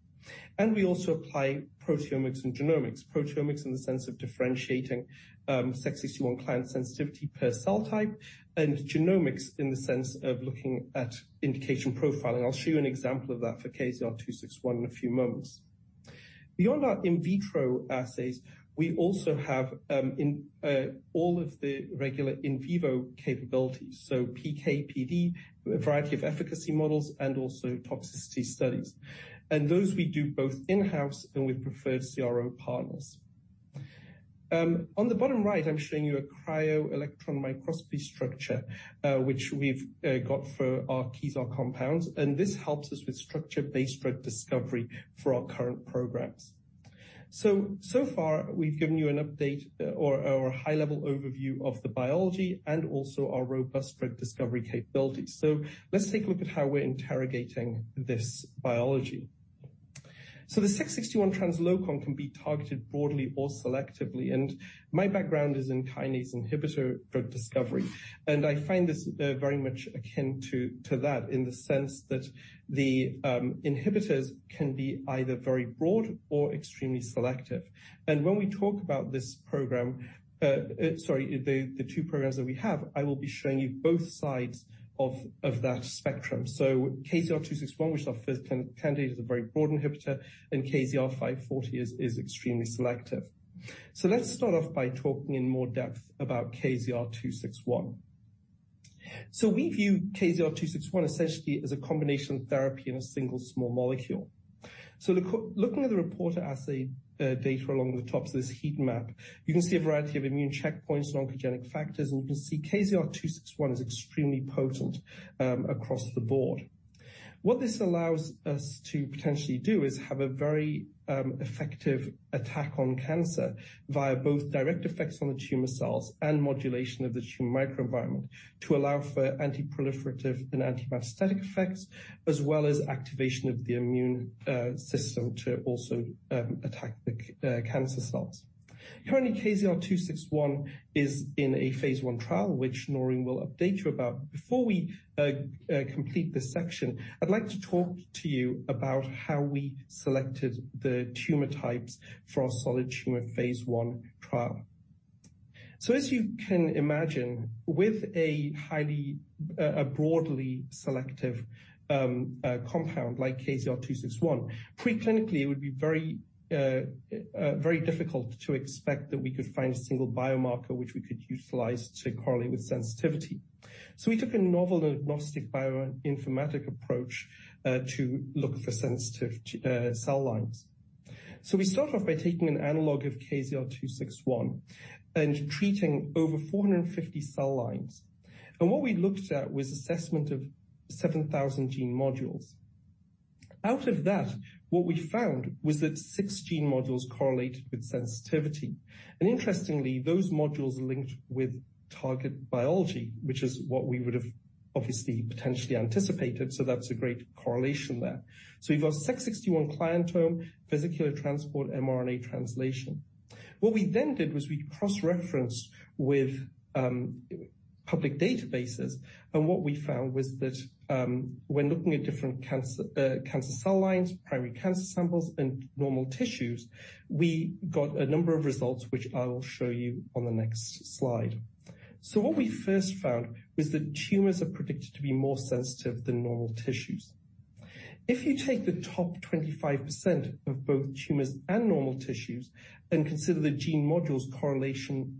We also apply proteomics and genomics. Proteomics in the sense of differentiating Sec61 client sensitivity per cell type, and genomics in the sense of looking at indication profiling. I'll show you an example of that for KZR-261 in a few moments. Beyond our in vitro assays, we also have all of the regular in vivo capabilities. PK/PD, a variety of efficacy models and also toxicity studies. Those we do both in-house and with preferred CRO partners. On the bottom right, I'm showing you a cryo-electron microscopy structure which we've got for our Kezar compounds, and this helps us with structure-based drug discovery for our current programs. So far we've given you an update or a high-level overview of the biology and also our robust drug discovery capabilities. Let's take a look at how we're interrogating this biology. The Sec61 translocon can be targeted broadly or selectively. My background is in kinase inhibitor drug discovery, and I find this very much akin to that in the sense that the inhibitors can be either very broad or extremely selective. When we talk about this program, sorry, the two programs that we have, I will be showing you both sides of that spectrum. KZR-261, which our first candidate, is a very broad inhibitor, and KZR-540 is extremely selective. Let's start off by talking in more depth about KZR-261. We view KZR-261 essentially as a combination therapy in a single small molecule. The looking at the reporter assay data along the top of this heat map. You can see a variety of immune checkpoints and oncogenic factors. You can see KZR-261 is extremely potent across the board. What this allows us to potentially do is have a very effective attack on cancer via both direct effects on the tumor cells and modulation of the tumor microenvironment to allow for anti-proliferative and anti-metastatic effects, as well as activation of the immune system to also attack the cancer cells. Currently, KZR-261 is in a phase I trial, which Noreen will update you about. Before we complete this section, I'd like to talk to you about how we selected the tumor types for our solid tumor phase I trial. As you can imagine, with a highly, broadly selective, compound like KZR-261, preclinically, it would be very, very difficult to expect that we could find a single biomarker which we could utilize to correlate with sensitivity. We took a novel diagnostic bioinformatic approach to look for sensitive cell lines. We start off by taking an analog of KZR-261 and treating over 450 cell lines. What we looked at was assessment of 7,000 gene modules. Out of that, what we found was that six gene modules correlated with sensitivity. Interestingly, those modules linked with target biology, which is what we would have obviously potentially anticipated. That's a great correlation there. We've got Sec61 client term, vesicular transport, mRNA translation. What we then did was we cross-referenced with public databases, what we found was that when looking at different cancer cell lines, primary cancer samples, and normal tissues, we got a number of results, which I will show you on the next slide. What we first found was that tumors are predicted to be more sensitive than normal tissues. If you take the top 25% of both tumors and normal tissues and consider the gene modules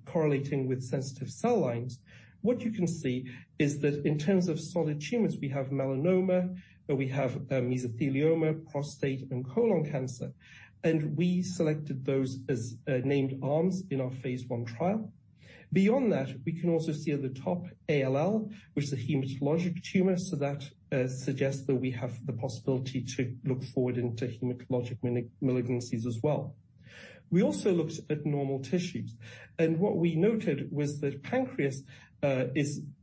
correlating with sensitive cell lines, what you can see is that in terms of solid tumors, we have melanoma, we have mesothelioma, prostate and colon cancer, and we selected those as named arms in our phase I trial. Beyond that, we can also see at the top ALL, which is a hematologic tumor, so that suggests that we have the possibility to look forward into hematologic malignancies as well. We also looked at normal tissues, and what we noted was that pancreas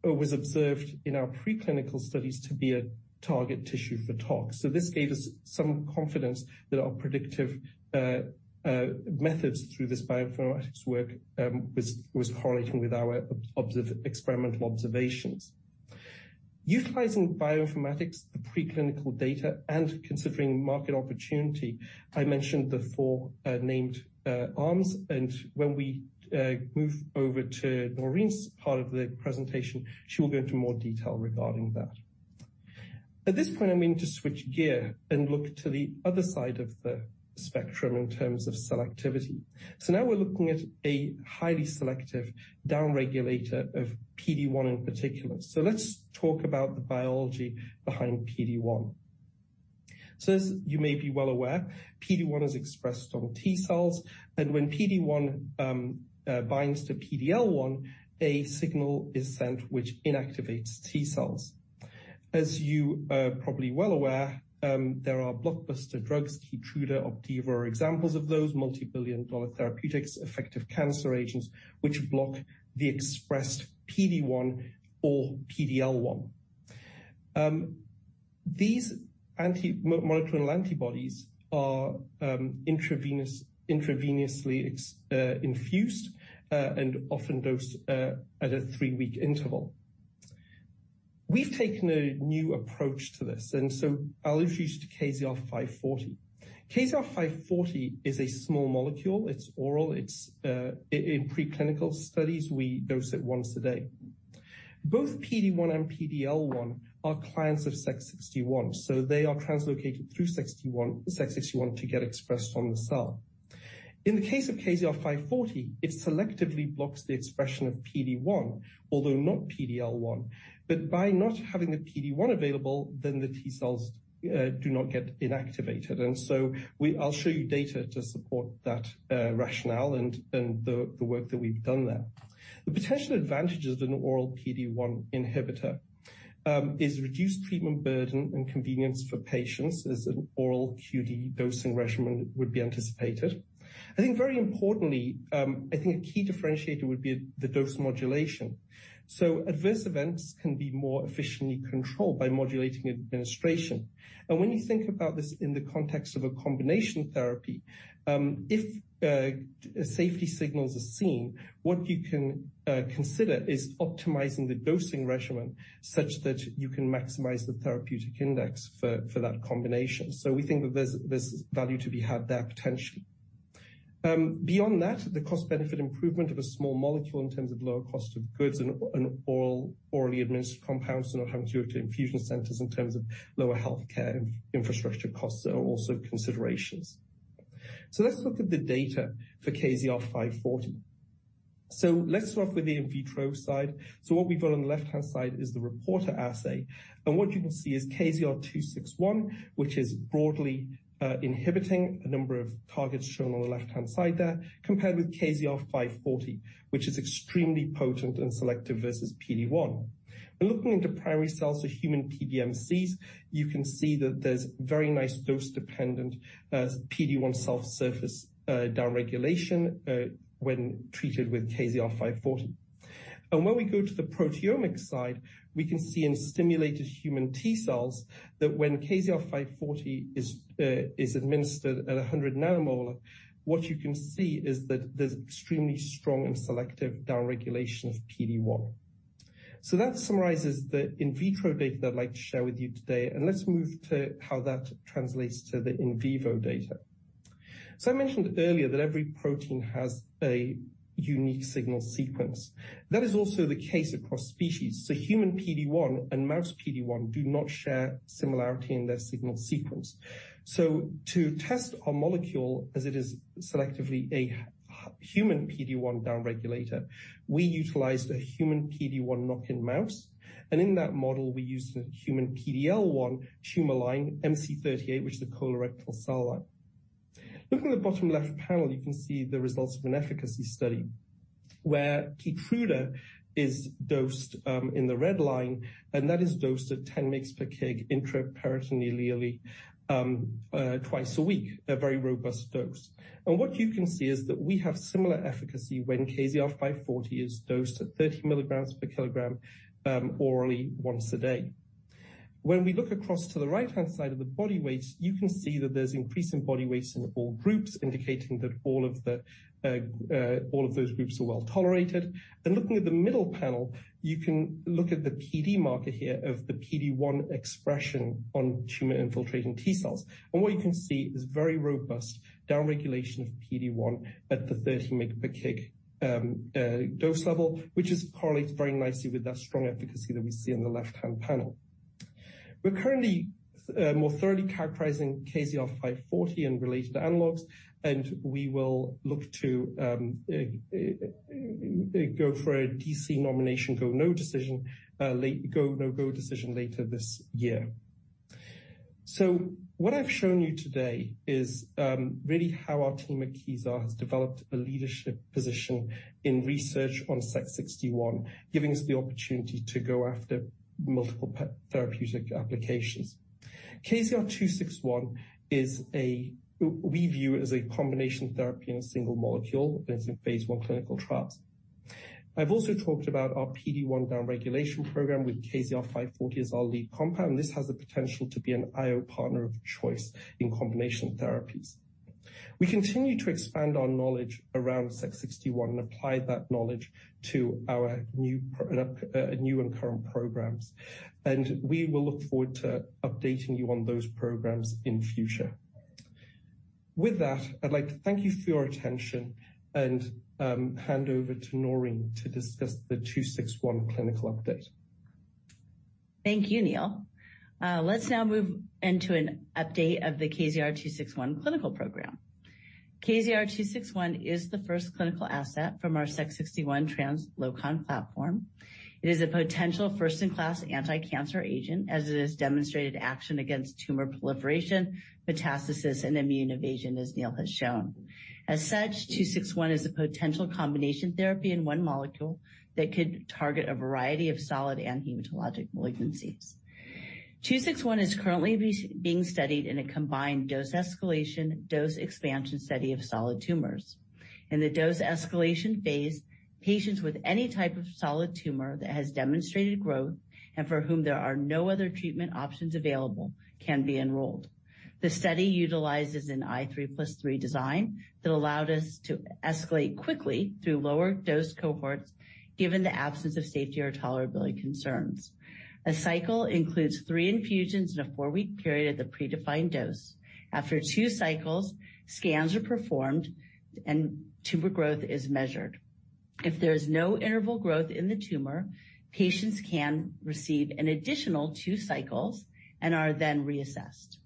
was observed in our preclinical studies to be a target tissue for tox. This gave us some confidence that our predictive methods through this bioinformatics work was correlating with our experimental observations. Utilizing bioinformatics, the preclinical data, and considering market opportunity, I mentioned the four named arms, and when we move over to Noreen's part of the presentation, she will go into more detail regarding that. At this point, I'm going to switch gear and look to the other side of the spectrum in terms of selectivity. Now we're looking at a highly selective down regulator of PD-1 in particular. Let's talk about the biology behind PD-1. As you may be well aware, PD-1 is expressed on T-cells, and when PD-1 binds to PD-L1, a signal is sent which inactivates T-cells. As you are probably well aware, there are blockbuster drugs, KEYTRUDA, OPDIVO are examples of those multi-billion dollar therapeutics, effective cancer agents, which block the expressed PD-1 or PD-L1. These anti-monoclonal antibodies are intravenously infused and often dosed at a three-week interval. We've taken a new approach to this, I'll introduce you to KZR-540. KZR-540 is a small molecule. It's oral. In preclinical studies, we dose it once a day. Both PD-1 and PD-L1 are clients of Sec61, they are translocated through Sec61 to get expressed on the cell. In the case of KZR-540, it selectively blocks the expression of PD-1, although not PD-L1. By not having the PD-1 available, the T-cells do not get inactivated. I'll show you data to support that rationale and the work that we've done there. The potential advantages of an oral PD-1 inhibitor is reduced treatment burden and convenience for patients, as an oral QD dosing regimen would be anticipated. I think very importantly, I think a key differentiator would be the dose modulation. Adverse events can be more efficiently controlled by modulating administration. When you think about this in the context of a combination therapy, if safety signals are seen, what you can consider is optimizing the dosing regimen such that you can maximize the therapeutic index for that combination. We think that there's value to be had there potentially. Beyond that, the cost benefit improvement of a small molecule in terms of lower cost of goods and orally administered compounds and not having to go to infusion centers in terms of lower healthcare infrastructure costs are also considerations. Let's look at the data for KZR-540. Let's start with the in vitro side. What we've got on the left-hand side is the reporter assay. What you can see is KZR-261, which is broadly inhibiting a number of targets shown on the left-hand side there, compared with KZR-540, which is extremely potent and selective versus PD-1. Looking into primary cells or human PBMCs, you can see that there's very nice dose-dependent PD-1 cell surface downregulation when treated with KZR-540. When we go to the proteomic side, we can see in stimulated human T-cells that when KZR-540 is administered at 100 nanomolar, what you can see is that there's extremely strong and selective downregulation of PD-1. That summarizes the in vitro data that I'd like to share with you today, and let's move to how that translates to the in vivo data. I mentioned earlier that every protein has a unique signal sequence. That is also the case across species. Human PD-1 and mouse PD-1 do not share similarity in their signal sequence. To test our molecule as it is selectively a human PD-1 downregulator, we utilized a human PD-1 knock-in mouse, and in that model we used a human PD-L1 tumor line MC38, which is a colorectal cell line. Looking at the bottom left panel, you can see the results of an efficacy study where KEYTRUDA is dosed in the red line, and that is dosed at 10 mgs per kg intraperitoneally, twice a week, a very robust dose. What you can see is that we have similar efficacy when KZR-540 is dosed at 30 milligrams per kilogram, orally once a day. When we look across to the right-hand side of the body weights, you can see that there's increase in body weights in all groups, indicating that all of those groups are well-tolerated. Looking at the middle panel, you can look at the PD marker here of the PD-1 expression on tumor-infiltrating T-cells. What you can see is very robust downregulation of PD-1 at the 30 mg per kg dose level, which is correlated very nicely with that strong efficacy that we see on the left-hand panel. We're currently more thoroughly characterizing KZR-540 and related analogs, and we will look to go for a DC nomination go/no-go decision later this year. What I've shown you today is really how our team at Kezar has developed a leadership position in research on Sec61, giving us the opportunity to go after multiple therapeutic applications. KZR-261 is we view as a combination therapy in a single molecule, and it's in phase I clinical trials. I've also talked about our PD-1 downregulation program, with KZR-540 as our lead compound. This has the potential to be an IO partner of choice in combination therapies. We continue to expand our knowledge around Sec61 and apply that knowledge to our new and current programs. We will look forward to updating you on those programs in future. With that, I'd like to thank you for your attention and hand over to Noreen to discuss the KZR-261 clinical update. Thank you, Neel. Let's now move into an update of the KZR-261 clinical program. KZR-261 is the first clinical asset from our Sec61 translocon platform. It is a potential first-in-class anticancer agent as it has demonstrated action against tumor proliferation, metastasis, and immune evasion, as Neel has shown. KZR-261 is a potential combination therapy in one molecule that could target a variety of solid and hematologic malignancies. KZR-261 is currently being studied in a combined dose escalation, dose expansion study of solid tumors. In the dose escalation phase, patients with any type of solid tumor that has demonstrated growth and for whom there are no other treatment options available can be enrolled. The study utilizes a 3+3 design that allowed us to escalate quickly through lower dose cohorts given the absence of safety or tolerability concerns. A cycle includes three infusions in a four-week period at the predefined dose. After two cycles, scans are performed and tumor growth is measured. If there is no interval growth in the tumor, patients can receive an additional two cycles and are then reassessed.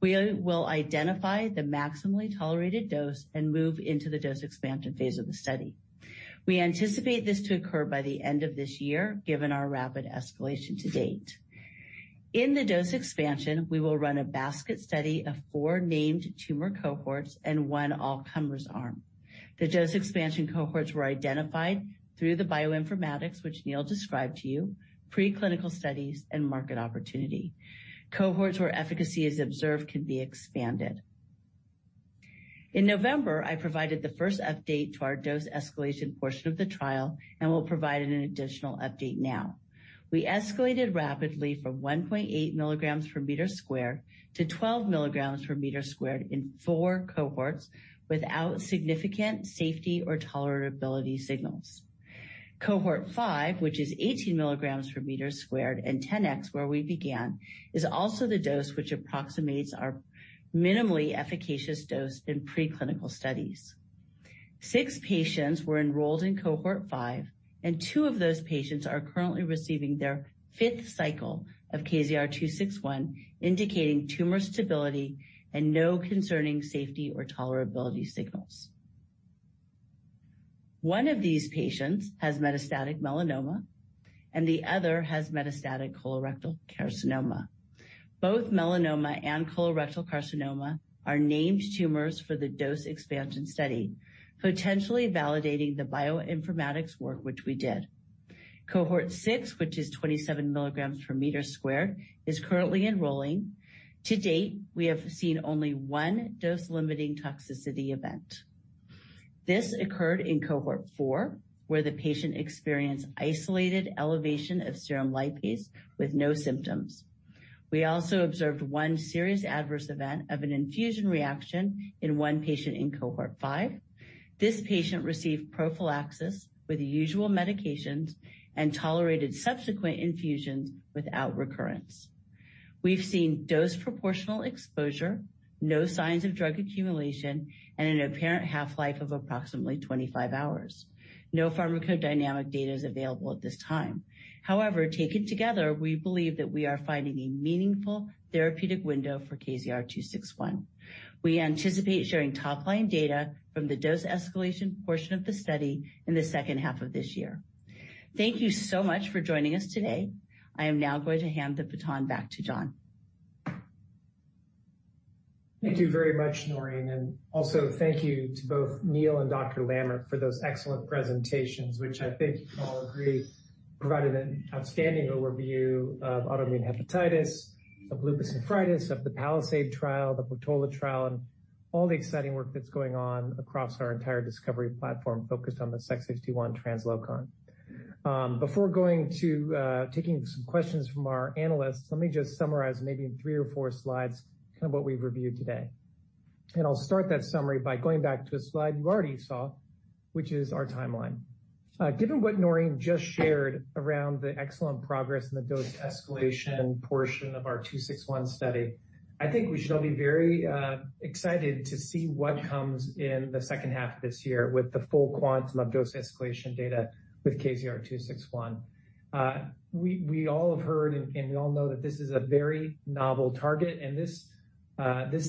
We will identify the maximally tolerated dose and move into the dose expansion phase of the study. We anticipate this to occur by the end of this year, given our rapid escalation to date. In the dose expansion, we will run a basket study of four named tumor cohorts and 1 all-comers arm. The dose expansion cohorts were identified through the bioinformatics which Neel described to you, preclinical studies and market opportunity. Cohorts where efficacy is observed can be expanded. In November, I provided the first update to our dose escalation portion of the trial and will provide an additional update now. We escalated rapidly from 1.8 milligrams per meter squared to 12 milligrams per meter squared in four cohorts without significant safety or tolerability signals. Cohort five, which is 18 milligrams per meter squared and 10x where we began, is also the dose which approximates our minimally efficacious dose in preclinical studies. Six patients were enrolled in cohort five, and two of those patients are currently receiving their fifth cycle of KZR-261, indicating tumor stability and no concerning safety or tolerability signals. One of these patients has metastatic melanoma, and the other has metastatic colorectal carcinoma. Both melanoma and colorectal carcinoma are named tumors for the dose expansion study, potentially validating the bioinformatics work which we did. Cohort six, which is 27 milligrams per meter squared, is currently enrolling. To date, we have seen only one dose-limiting toxicity event. This occurred in cohort four, where the patient experienced isolated elevation of serum lipase with no symptoms. We also observed one serious adverse event of an infusion reaction in one patient in cohort five. This patient received prophylaxis with the usual medications and tolerated subsequent infusions without recurrence. We've seen dose proportional exposure, no signs of drug accumulation, and an apparent half-life of approximately 25 hours. No pharmacodynamic data is available at this time. However, taken together, we believe that we are finding a meaningful therapeutic window for KZR-261. We anticipate sharing top-line data from the dose escalation portion of the study in the second half of this year. Thank you so much for joining us today. I am now going to hand the baton back to John. Thank you very much, Noreen, also thank you to both Neel and Dr. Lammert for those excellent presentations, which I think you all agree provided an outstanding overview of autoimmune hepatitis, of lupus nephritis, of the PALIZADE trial, the PORTOLA trial, and all the exciting work that's going on across our entire discovery platform focused on the Sec61 translocon. Before taking some questions from our analysts, let me just summarize maybe in three or four slides kind of what we've reviewed today. I'll start that summary by going back to a slide you already saw, which is our timeline. Given what Noreen just shared around the excellent progress in the dose escalation portion of our KZR-261 study, I think we should all be very excited to see what comes in the second half of this year with the full quantum of dose escalation data with KZR-261. We all have heard and we all know that this is a very novel target, and this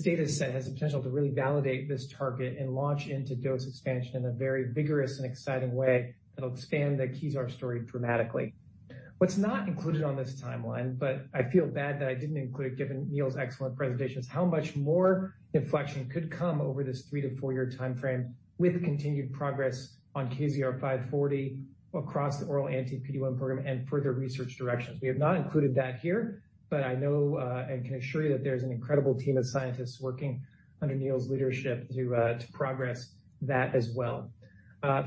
data set has the potential to really validate this target and launch into dose expansion in a very vigorous and exciting way that'll expand the Kezar story dramatically. [But not included] on this timeline, but I feel bad that I didn't include it given Neel's excellent presentation, is how much more inflection could come over this three- to four-year timeframe with the continued progress on KZR-540 across the oral anti-PD-1 program and further research directions. We have not included that here, but I know and can assure you that there's an incredible team of scientists working under Neel's leadership to progress that as well.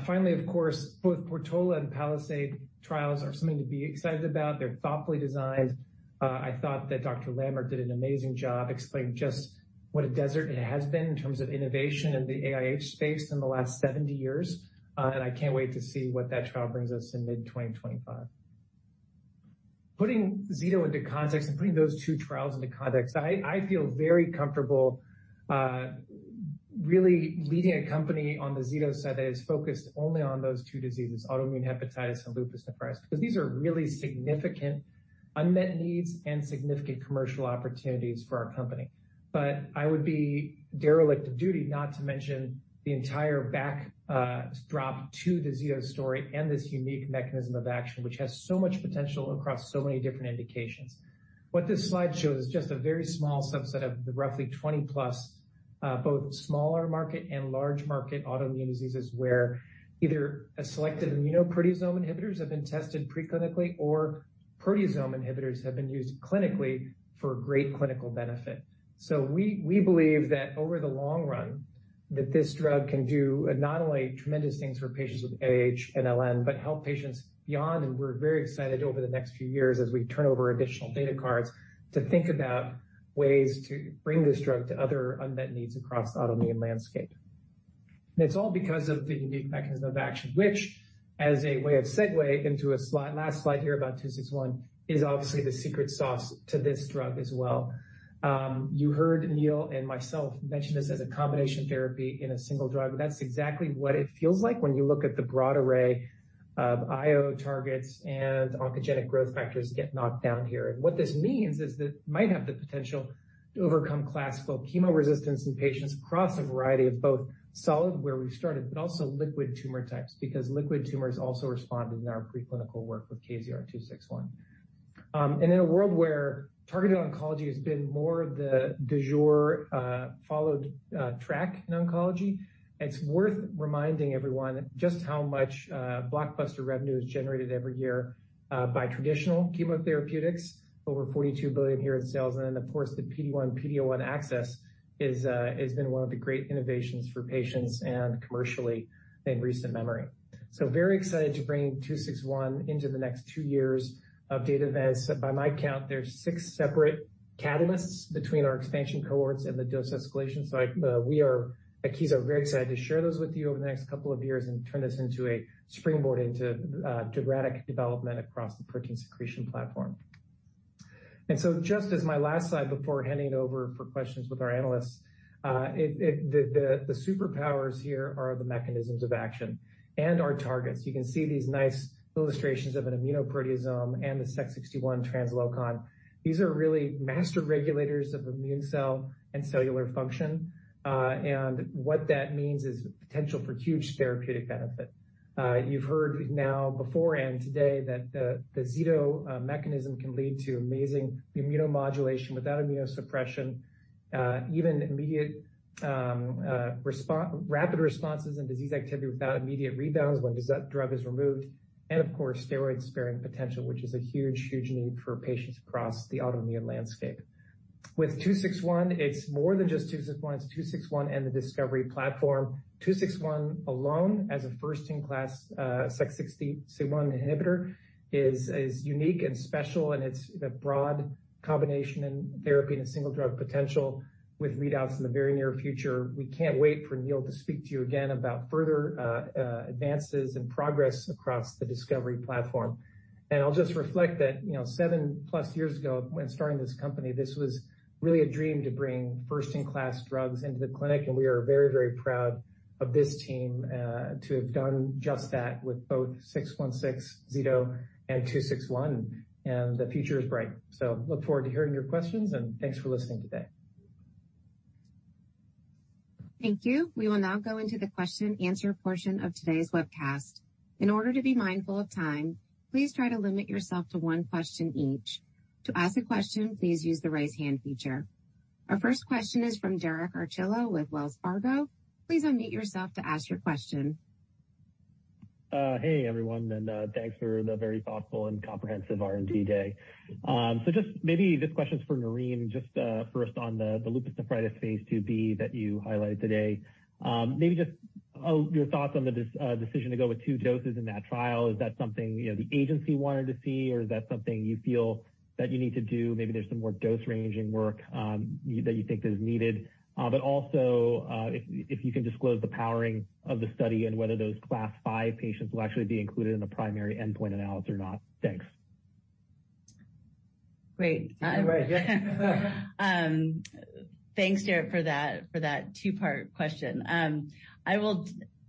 Finally, of course, both PORTOLA and PALIZADE trials are something to be excited about. They're thoughtfully designed. I thought that Dr. Lammert did an amazing job explaining just what a desert it has been in terms of innovation in the AIH space in the last 70 years, and I can't wait to see what that trial brings us in mid-2025 Putting zetomipzomib into context and putting those two trials into context, I feel very comfortable really leading a company on the zetomipzomib side that is focused only on those two diseases, autoimmune hepatitis and lupus nephritis, because these are really significant unmet needs and significant commercial opportunities for our company. I would be derelict of duty not to mention the entire back drop to the zetomipzomib story and this unique mechanism of action, which has so much potential across so many different indications. What this slide shows is just a very small subset of the roughly 20+, both smaller market and large market autoimmune diseases where either a selective immunoproteasome inhibitors have been tested pre-clinically or proteasome inhibitors have been used clinically for great clinical benefit. We believe that over the long run, that this drug can do not only tremendous things for patients with AIH and LN, but help patients beyond. We're very excited over the next few years as we turn over additional data cards to think about ways to bring this drug to other unmet needs across the autoimmune landscape. It's all because of the unique mechanism of action, which, as a way of segue into a slide, last slide here about KZR-261, is obviously the secret sauce to this drug as well. You heard Neel and myself mention this as a combination therapy in a single drug, but that's exactly what it feels like when you look at the broad array of IO targets and oncogenic growth factors get knocked down here. What this means is that it might have the potential to overcome class-focused chemo resistance in patients across a variety of both solid, where we've started, but also liquid tumor types, because liquid tumors also respond in our preclinical work with KZR-261. In a world where targeted oncology has been more the du jour, followed track in oncology, it's worth reminding everyone just how much blockbuster revenue is generated every year by traditional chemotherapeutics, over $42 billion a year in sales. Then, of course, the PD-1, PD-L1 access has been one of the great innovations for patients and commercially in recent memory. Very excited to bring 261 into the next two years of data. By my count, there's six separate catalysts between our expansion cohorts and the dose escalation. we are at Kezar very excited to share those with you over the next couple of years and turn this into a springboard into dramatic development across the protein secretion platform. Just as my last slide before handing it over for questions with our analysts, superpowers here are the mechanisms of action and our targets. You can see these nice illustrations of an immunoproteasome and the Sec61 translocon. These are really master regulators of immune cell and cellular function. And what that means is potential for huge therapeutic benefit. You've heard now before and today that zetomipzomib mechanism can lead to amazing immunomodulation without immunosuppression, even immediate rapid responses in disease activity without immediate rebounds when this drug is removed. Of course, steroid-sparing potential, which is a huge, huge need for patients across the autoimmune landscape. With KZR-261, it's more than just KZR-261, it's KZR-261 and the discovery platform. KZR-261 alone as a first-in-class Sec61 inhibitor is unique and special in its broad combination in therapy and a single drug potential with readouts in the very near future. We can't wait for Neel to speak to you again about further advances and progress across the discovery platform. I'll just reflect that, you know, 7+ years ago when starting this company, this was really a dream to bring first-in-class drugs into the clinic. We are very, very proud of this team to have done just that with both KZR-616 zetomipzomib and KZR-261. The future is bright. Look forward to hearing your questions, and thanks for listening today. Thank you. We will now go into the question and answer portion of today's webcast. In order to be mindful of time, please try to limit yourself to one question each. To ask a question, please use the raise hand feature. Our first question is from Derek Archila with Wells Fargo. Please unmute yourself to ask your question. Hey, everyone. Thanks for the very thoughtful and comprehensive R&D day. Just maybe this question is for Noreen. Just first on the lupus nephritis phase II-B that you highlighted today. Maybe just your thoughts on the decision to go with two doses in that trial. Is that something, you know, the agency wanted to see? Or is that something you feel that you need to do? Maybe there's some more dose ranging work that you think is needed. Also, if you can disclose the powering of the study and whether those Class V patients will actually be included in a primary endpoint analysis or not. Thanks. Great. You're right. Thanks, Derek, for that two-part question.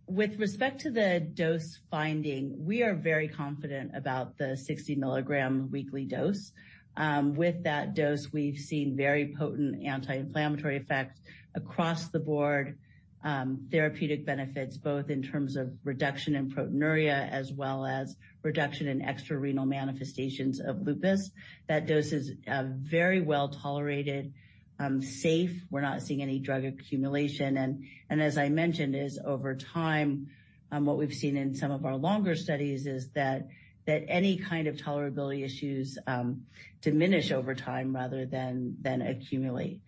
With respect to the dose finding, we are very confident about the 60 milligram weekly dose. With that dose, we've seen very potent anti-inflammatory effects across the board, therapeutic benefits, both in terms of reduction in proteinuria as well as reduction in extrarenal manifestations of lupus. That dose is very well-tolerated, safe. We're not seeing any drug accumulation. As I mentioned, is over time, what we've seen in some of our longer studies is that any kind of tolerability issues diminish over time rather than accumulate.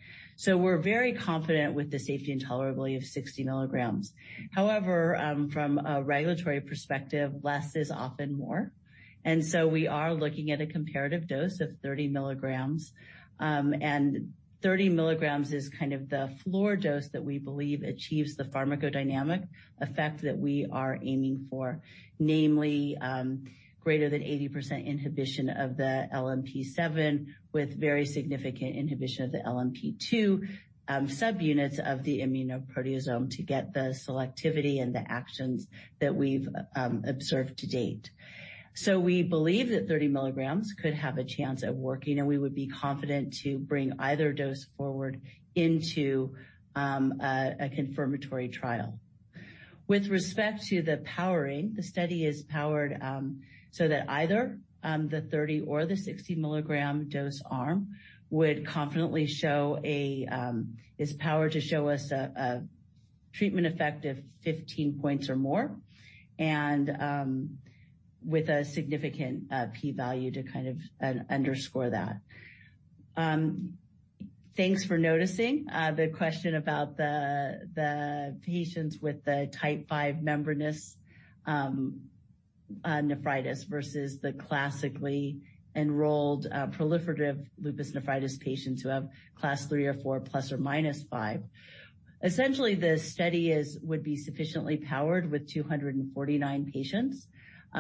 We're very confident with the safety and tolerability of 60 milligrams. However, from a regulatory perspective, less is often more, we are looking at a comparative dose of 30 milligrams. 30 milligrams is kind of the floor dose that we believe achieves the pharmacodynamic effect that we are aiming for, namely, greater than 80% inhibition of the LMP7 with very significant inhibition of the LMP2 subunits of the immunoproteasome to get the selectivity and the actions that we've observed to date. We believe that 30 milligrams could have a chance at working, and we would be confident to bring either dose forward into a confirmatory trial. With respect to the powering, the study is powered so that either the 30 or the 60 milligram dose arm is powered to show us a treatment effect of 15 points or more and with a significant P value to kind of underscore that. Thanks for noticing the question about the patients with the Class V membranous lupus nephritis versus the classically enrolled proliferative lupus nephritis patients who have Class III or Class IV, plus or minus Class V. Essentially, the study would be sufficiently powered with 249 patients.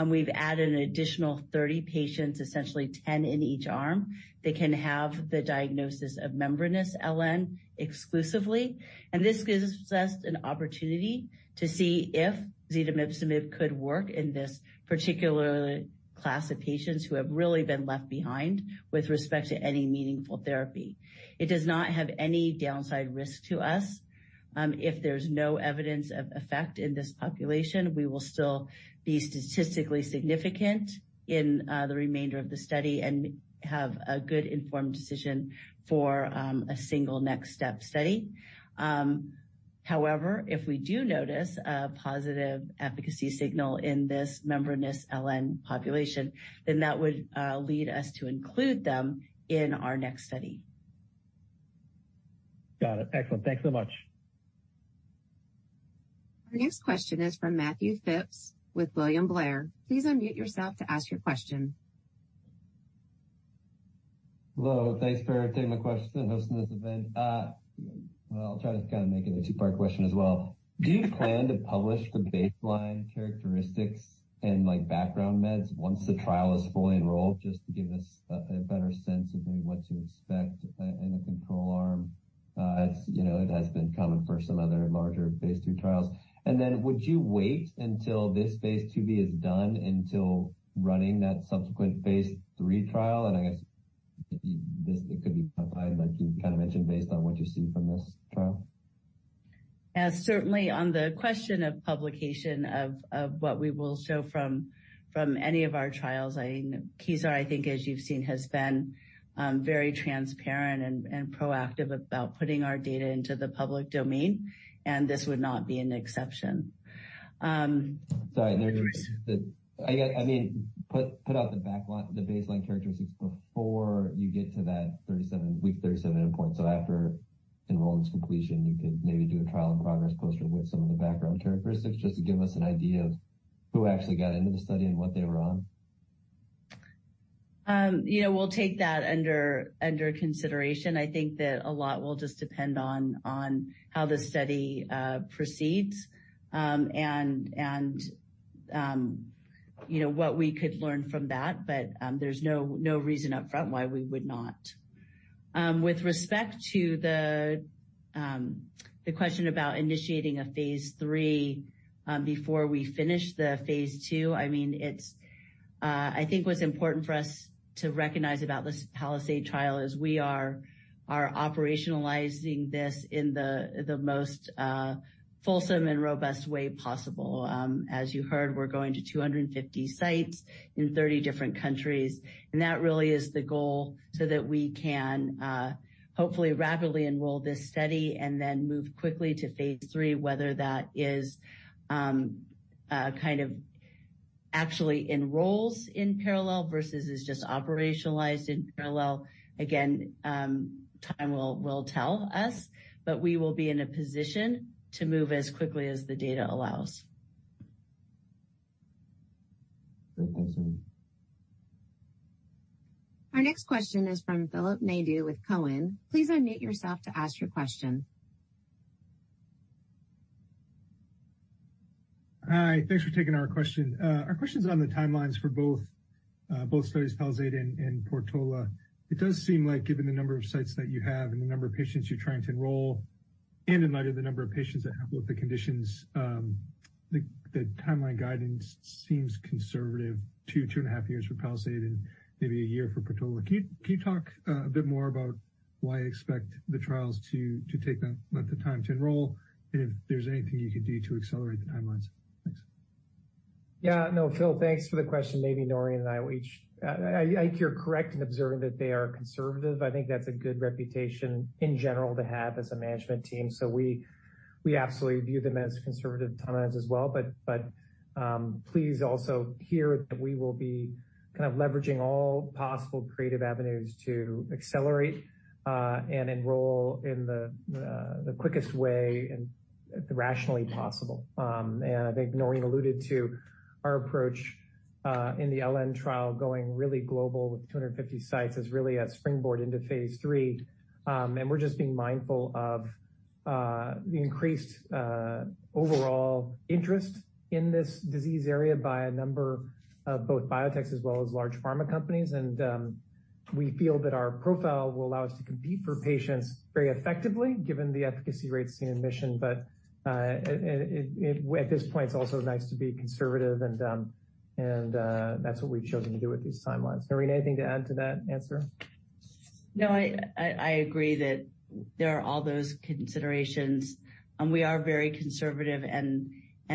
We've added an additional 30 patients, essentially 10 in each arm. They can have the diagnosis of Membranous LN exclusively. This gives us an opportunity to see if zetomipzomib could work in this particular class of patients who have really been left behind with respect to any meaningful therapy. It does not have any downside risk to us. If there's no evidence of effect in this population, we will still be statistically significant in the remainder of the study and have a good informed decision for a single next step study. If we do notice a positive efficacy signal in this Membranous LN population, that would lead us to include them in our next study. Got it. Excellent. Thanks so much. Our next question is from Matthew Phipps with William Blair. Please unmute yourself to ask your question. Hello. Thanks for taking the question, hosting this event. Well, I'll try to kind of make it a two-part question as well. Do you plan to publish the baseline characteristics and, like, background meds once the trial is fully enrolled, just to give us a better sense of, I mean, what to expect in the control arm? It's, you know, it has been common for some other larger phase II trials. Would you wait until this phase II-B is done until running that subsequent phase III trial? I guess it could be applied, like you kind of mentioned, based on what you see from this trial. Yeah, certainly on the question of publication of what we will show from any of our trials, I mean, Kezar, I think as you've seen, has been very transparent and proactive about putting our data into the public domain. This would not be an exception. Sorry. There's I guess, I mean, put out the backline, the baseline characteristics before you get to that week 37 endpoint. After enrollment's completion, you could maybe do a trial in progress poster with some of the background characteristics just to give us an idea of who actually got into the study and what they were on. you know, we'll take that under consideration. I think that a lot will just depend on how the study proceeds, and, you know, what we could learn from that. There's no reason upfront why we would not. With respect to the question about initiating a phase III, before we finish the phase II, I mean, it's, I think what's important for us to recognize about this PALIZADE trial is we are operationalizing this in the most fulsome and robust way possible. As you heard, we're going to 250 sites in 30 different countries. That really is the goal so that we can hopefully rapidly enroll this study and then move quickly to phase III, whether that is kind of actually enrolls in parallel versus is just operationalized in parallel. Again, time will tell us. We will be in a position to move as quickly as the data allows. Great. Thanks, Noreen. Our next question is from Philip Nadeau with Cowen. Please unmute yourself to ask your question. Hi. Thanks for taking our question. Our question's on the timelines for both studies, PALIZADE and PORTOLA. It does seem like given the number of sites that you have and the number of patients you're trying to enroll, and in light of the number of patients that have both the conditions, the timeline guidance seems conservative, two and a half years for PALIZADE and maybe a year for PORTOLA. Can you talk a bit more about why you expect the trials to take that length of time to enroll? If there's anything you can do to accelerate the timelines? Thanks. No, Phil, thanks for the question. Maybe Noreen and I will each hear correct in observing that they are conservative. I think that's a good reputation in general to have as a management team. We absolutely view them as conservative timelines as well. Please also hear that we will be kind of leveraging all possible creative avenues to accelerate and enroll in the quickest way and rationally possible. And I think Noreen alluded to our approach in the LN trial going really global with 250 sites as really a springboard into phase III. And we're just being mindful of the increased overall interest in this disease area by a number of both biotechs as well as large pharma companies. We feel that our profile will allow us to compete for patients very effectively given the efficacy rates seen in MISSION. At this point, it's also nice to be conservative and that's what we've chosen to do with these timelines. Noreen, anything to add to that answer? No, I agree that there are all those considerations, and we are very conservative and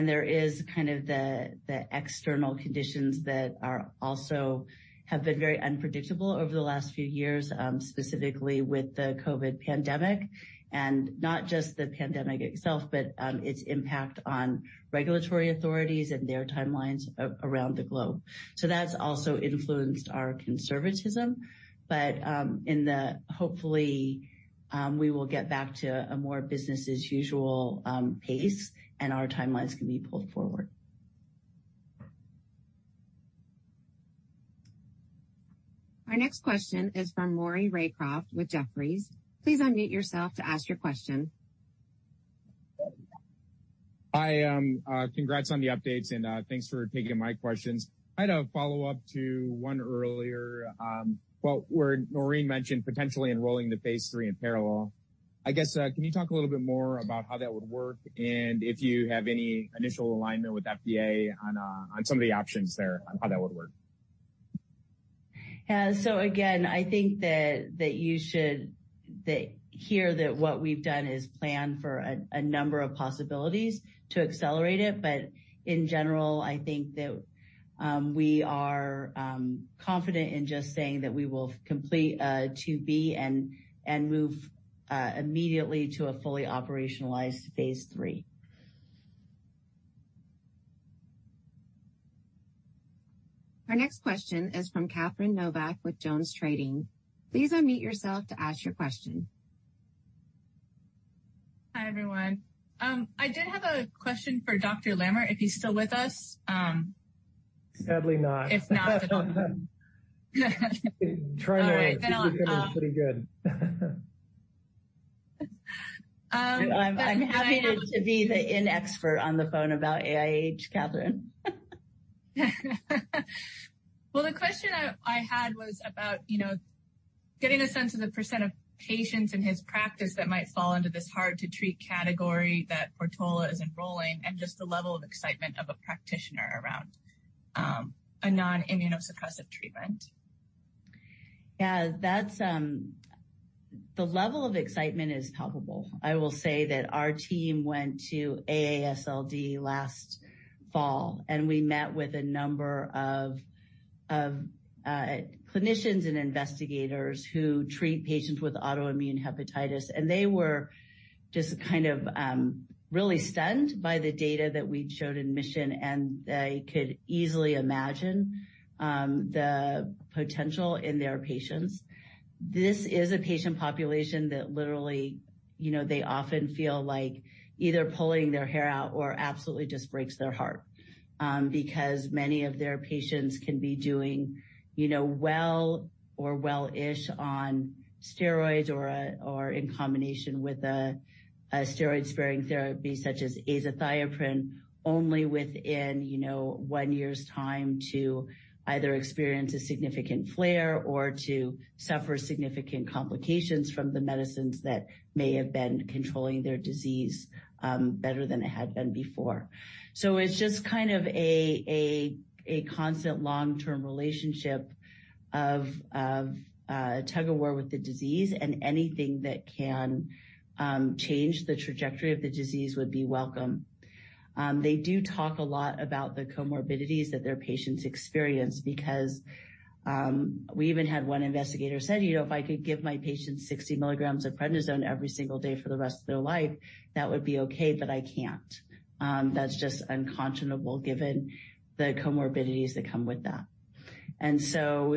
there is kind of the external conditions that are also have been very unpredictable over the last few years, specifically with the COVID pandemic, and not just the pandemic itself, but its impact on regulatory authorities and their timelines around the globe. That's also influenced our conservatism. In the hopefully, we will get back to a more business as usual pace, and our timelines can be pulled forward. Our next question is from Maury Raycroft with Jefferies. Please unmute yourself to ask your question. Hi, congrats on the updates, and thanks for taking my questions. I had a follow-up to one earlier, well, where Noreen mentioned potentially enrolling the phase III in parallel. I guess, can you talk a little bit more about how that would work, and if you have any initial alignment with FDA on some of the options there on how that would work? Again, I think that you should hear that what we've done is plan for a number of possibilities to accelerate it. In general, I think that we are confident in just saying that we will complete phase II-B and move immediately to a fully operationalized phase III. Our next question is from Catherine Novack with JonesTrading. Please unmute yourself to ask your question. Hi, everyone. I did have a question for Dr. Lammert, if he's still with us. Sadly not. If not. Try Noreen. She's pretty good. I'm happy to be the in expert on the phone about AIH, Catherine. The question I had was about, you know, getting a sense of the percent of patients in his practice that might fall into this hard-to-treat category that PORTOLA is enrolling, and just the level of excitement of a practitioner around a non-immunosuppressive treatment. That's... The level of excitement is palpable. I will say that our team went to AASLD last fall, we met with a number of clinicians and investigators who treat patients with autoimmune hepatitis, they were just kind of really stunned by the data that we'd showed in MISSION, they could easily imagine the potential in their patients. This is a patient population that literally, you know, they often feel like either pulling their hair out or absolutely just breaks their heart, because many of their patients can be doing, you know, well or well-ish on steroids or in combination with a steroid-sparing therapy such as azathioprine, only within, you know, one year's time to either experience a significant flare or to suffer significant complications from the medicines that may have been controlling their disease, better than it had been before. It's just kind of a constant long-term relationship of tug-of-war with the disease, and anything that can, change the trajectory of the disease would be welcome. They do talk a lot about the comorbidities that their patients experience because, we even had one investigator said, "You know, if I could give my patients 60 milligrams of prednisone every single day for the rest of their life, that would be okay, but I can't." That's just unconscionable given the comorbidities that come with that.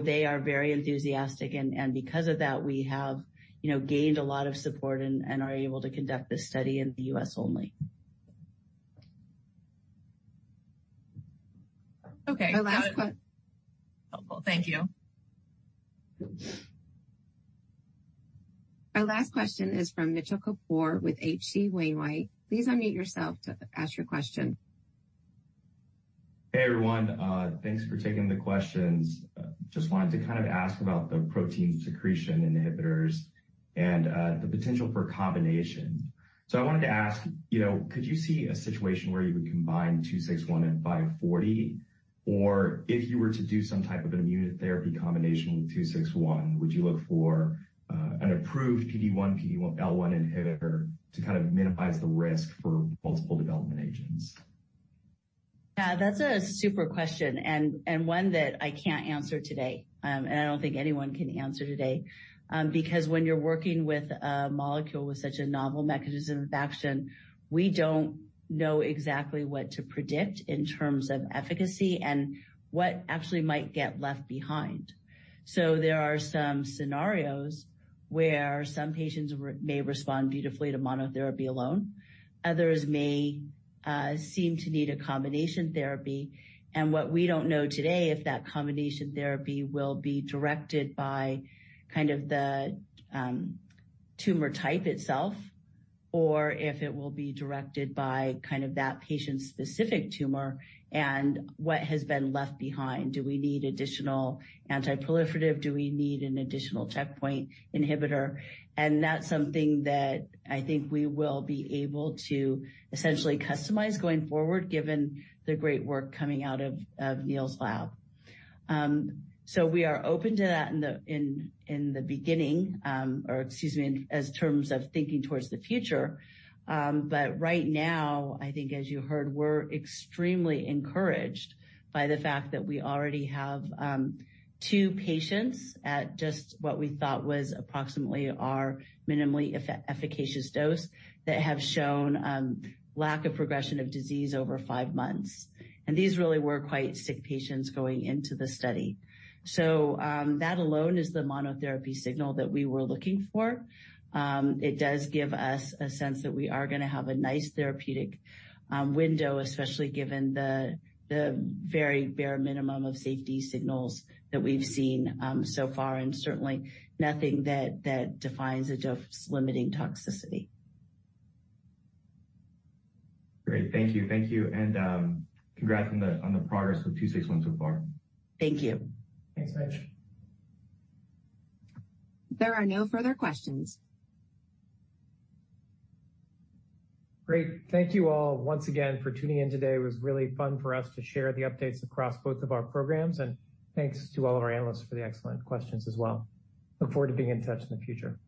They are very enthusiastic and because of that, we have, you know, gained a lot of support and are able to conduct this study in the U.S. only. Okay. Our last que- Helpful. Thank you. Our last question is from Mitchell Kapoor with H.C. Wainwright. Please unmute yourself to ask your question. Hey, everyone. thanks for taking the questions. Just wanted to kind of ask about the protein secretion inhibitors and the potential for combination. I wanted to ask, you know, could you see a situation where you would combine KZR-261 and KZR-540, or if you were to do some type of immunotherapy combination with KZR-261, would you look for an approved PD-1, PD-L1 inhibitor to kind of minimize the risk for multiple development agents? That's a super question and one that I can't answer today, and I don't think anyone can answer today. When you're working with a molecule with such a novel mechanism of action, we don't know exactly what to predict in terms of efficacy and what actually might get left behind. There are some scenarios where some patients may respond beautifully to monotherapy alone. Others may seem to need a combination therapy. What we don't know today, if that combination therapy will be directed by kind of the tumor type itself, or if it will be directed by kind of that patient-specific tumor and what has been left behind. Do we need additional antiproliferative? Do we need an additional checkpoint inhibitor? That's something that I think we will be able to essentially customize going forward, given the great work coming out of Neel's lab. We are open to that in the beginning, or excuse me, as terms of thinking towards the future. Right now, I think, as you heard, we're extremely encouraged by the fact that we already have two patients at just what we thought was approximately our minimally efficacious dose that have shown lack of progression of disease over five months. These really were quite sick patients going into the study. That alone is the monotherapy signal that we were looking for. It does give us a sense that we are gonna have a nice therapeutic window, especially given the very bare minimum of safety signals that we've seen so far, and certainly nothing that defines a dose-limiting toxicity. Great. Thank you. Thank you. Congrats on the progress with KZR-261 so far. Thank you. Thanks, Mitch. There are no further questions. Great. Thank you all once again for tuning in today. It was really fun for us to share the updates across both of our programs. Thanks to all of our analysts for the excellent questions as well. Look forward to being in touch in the future.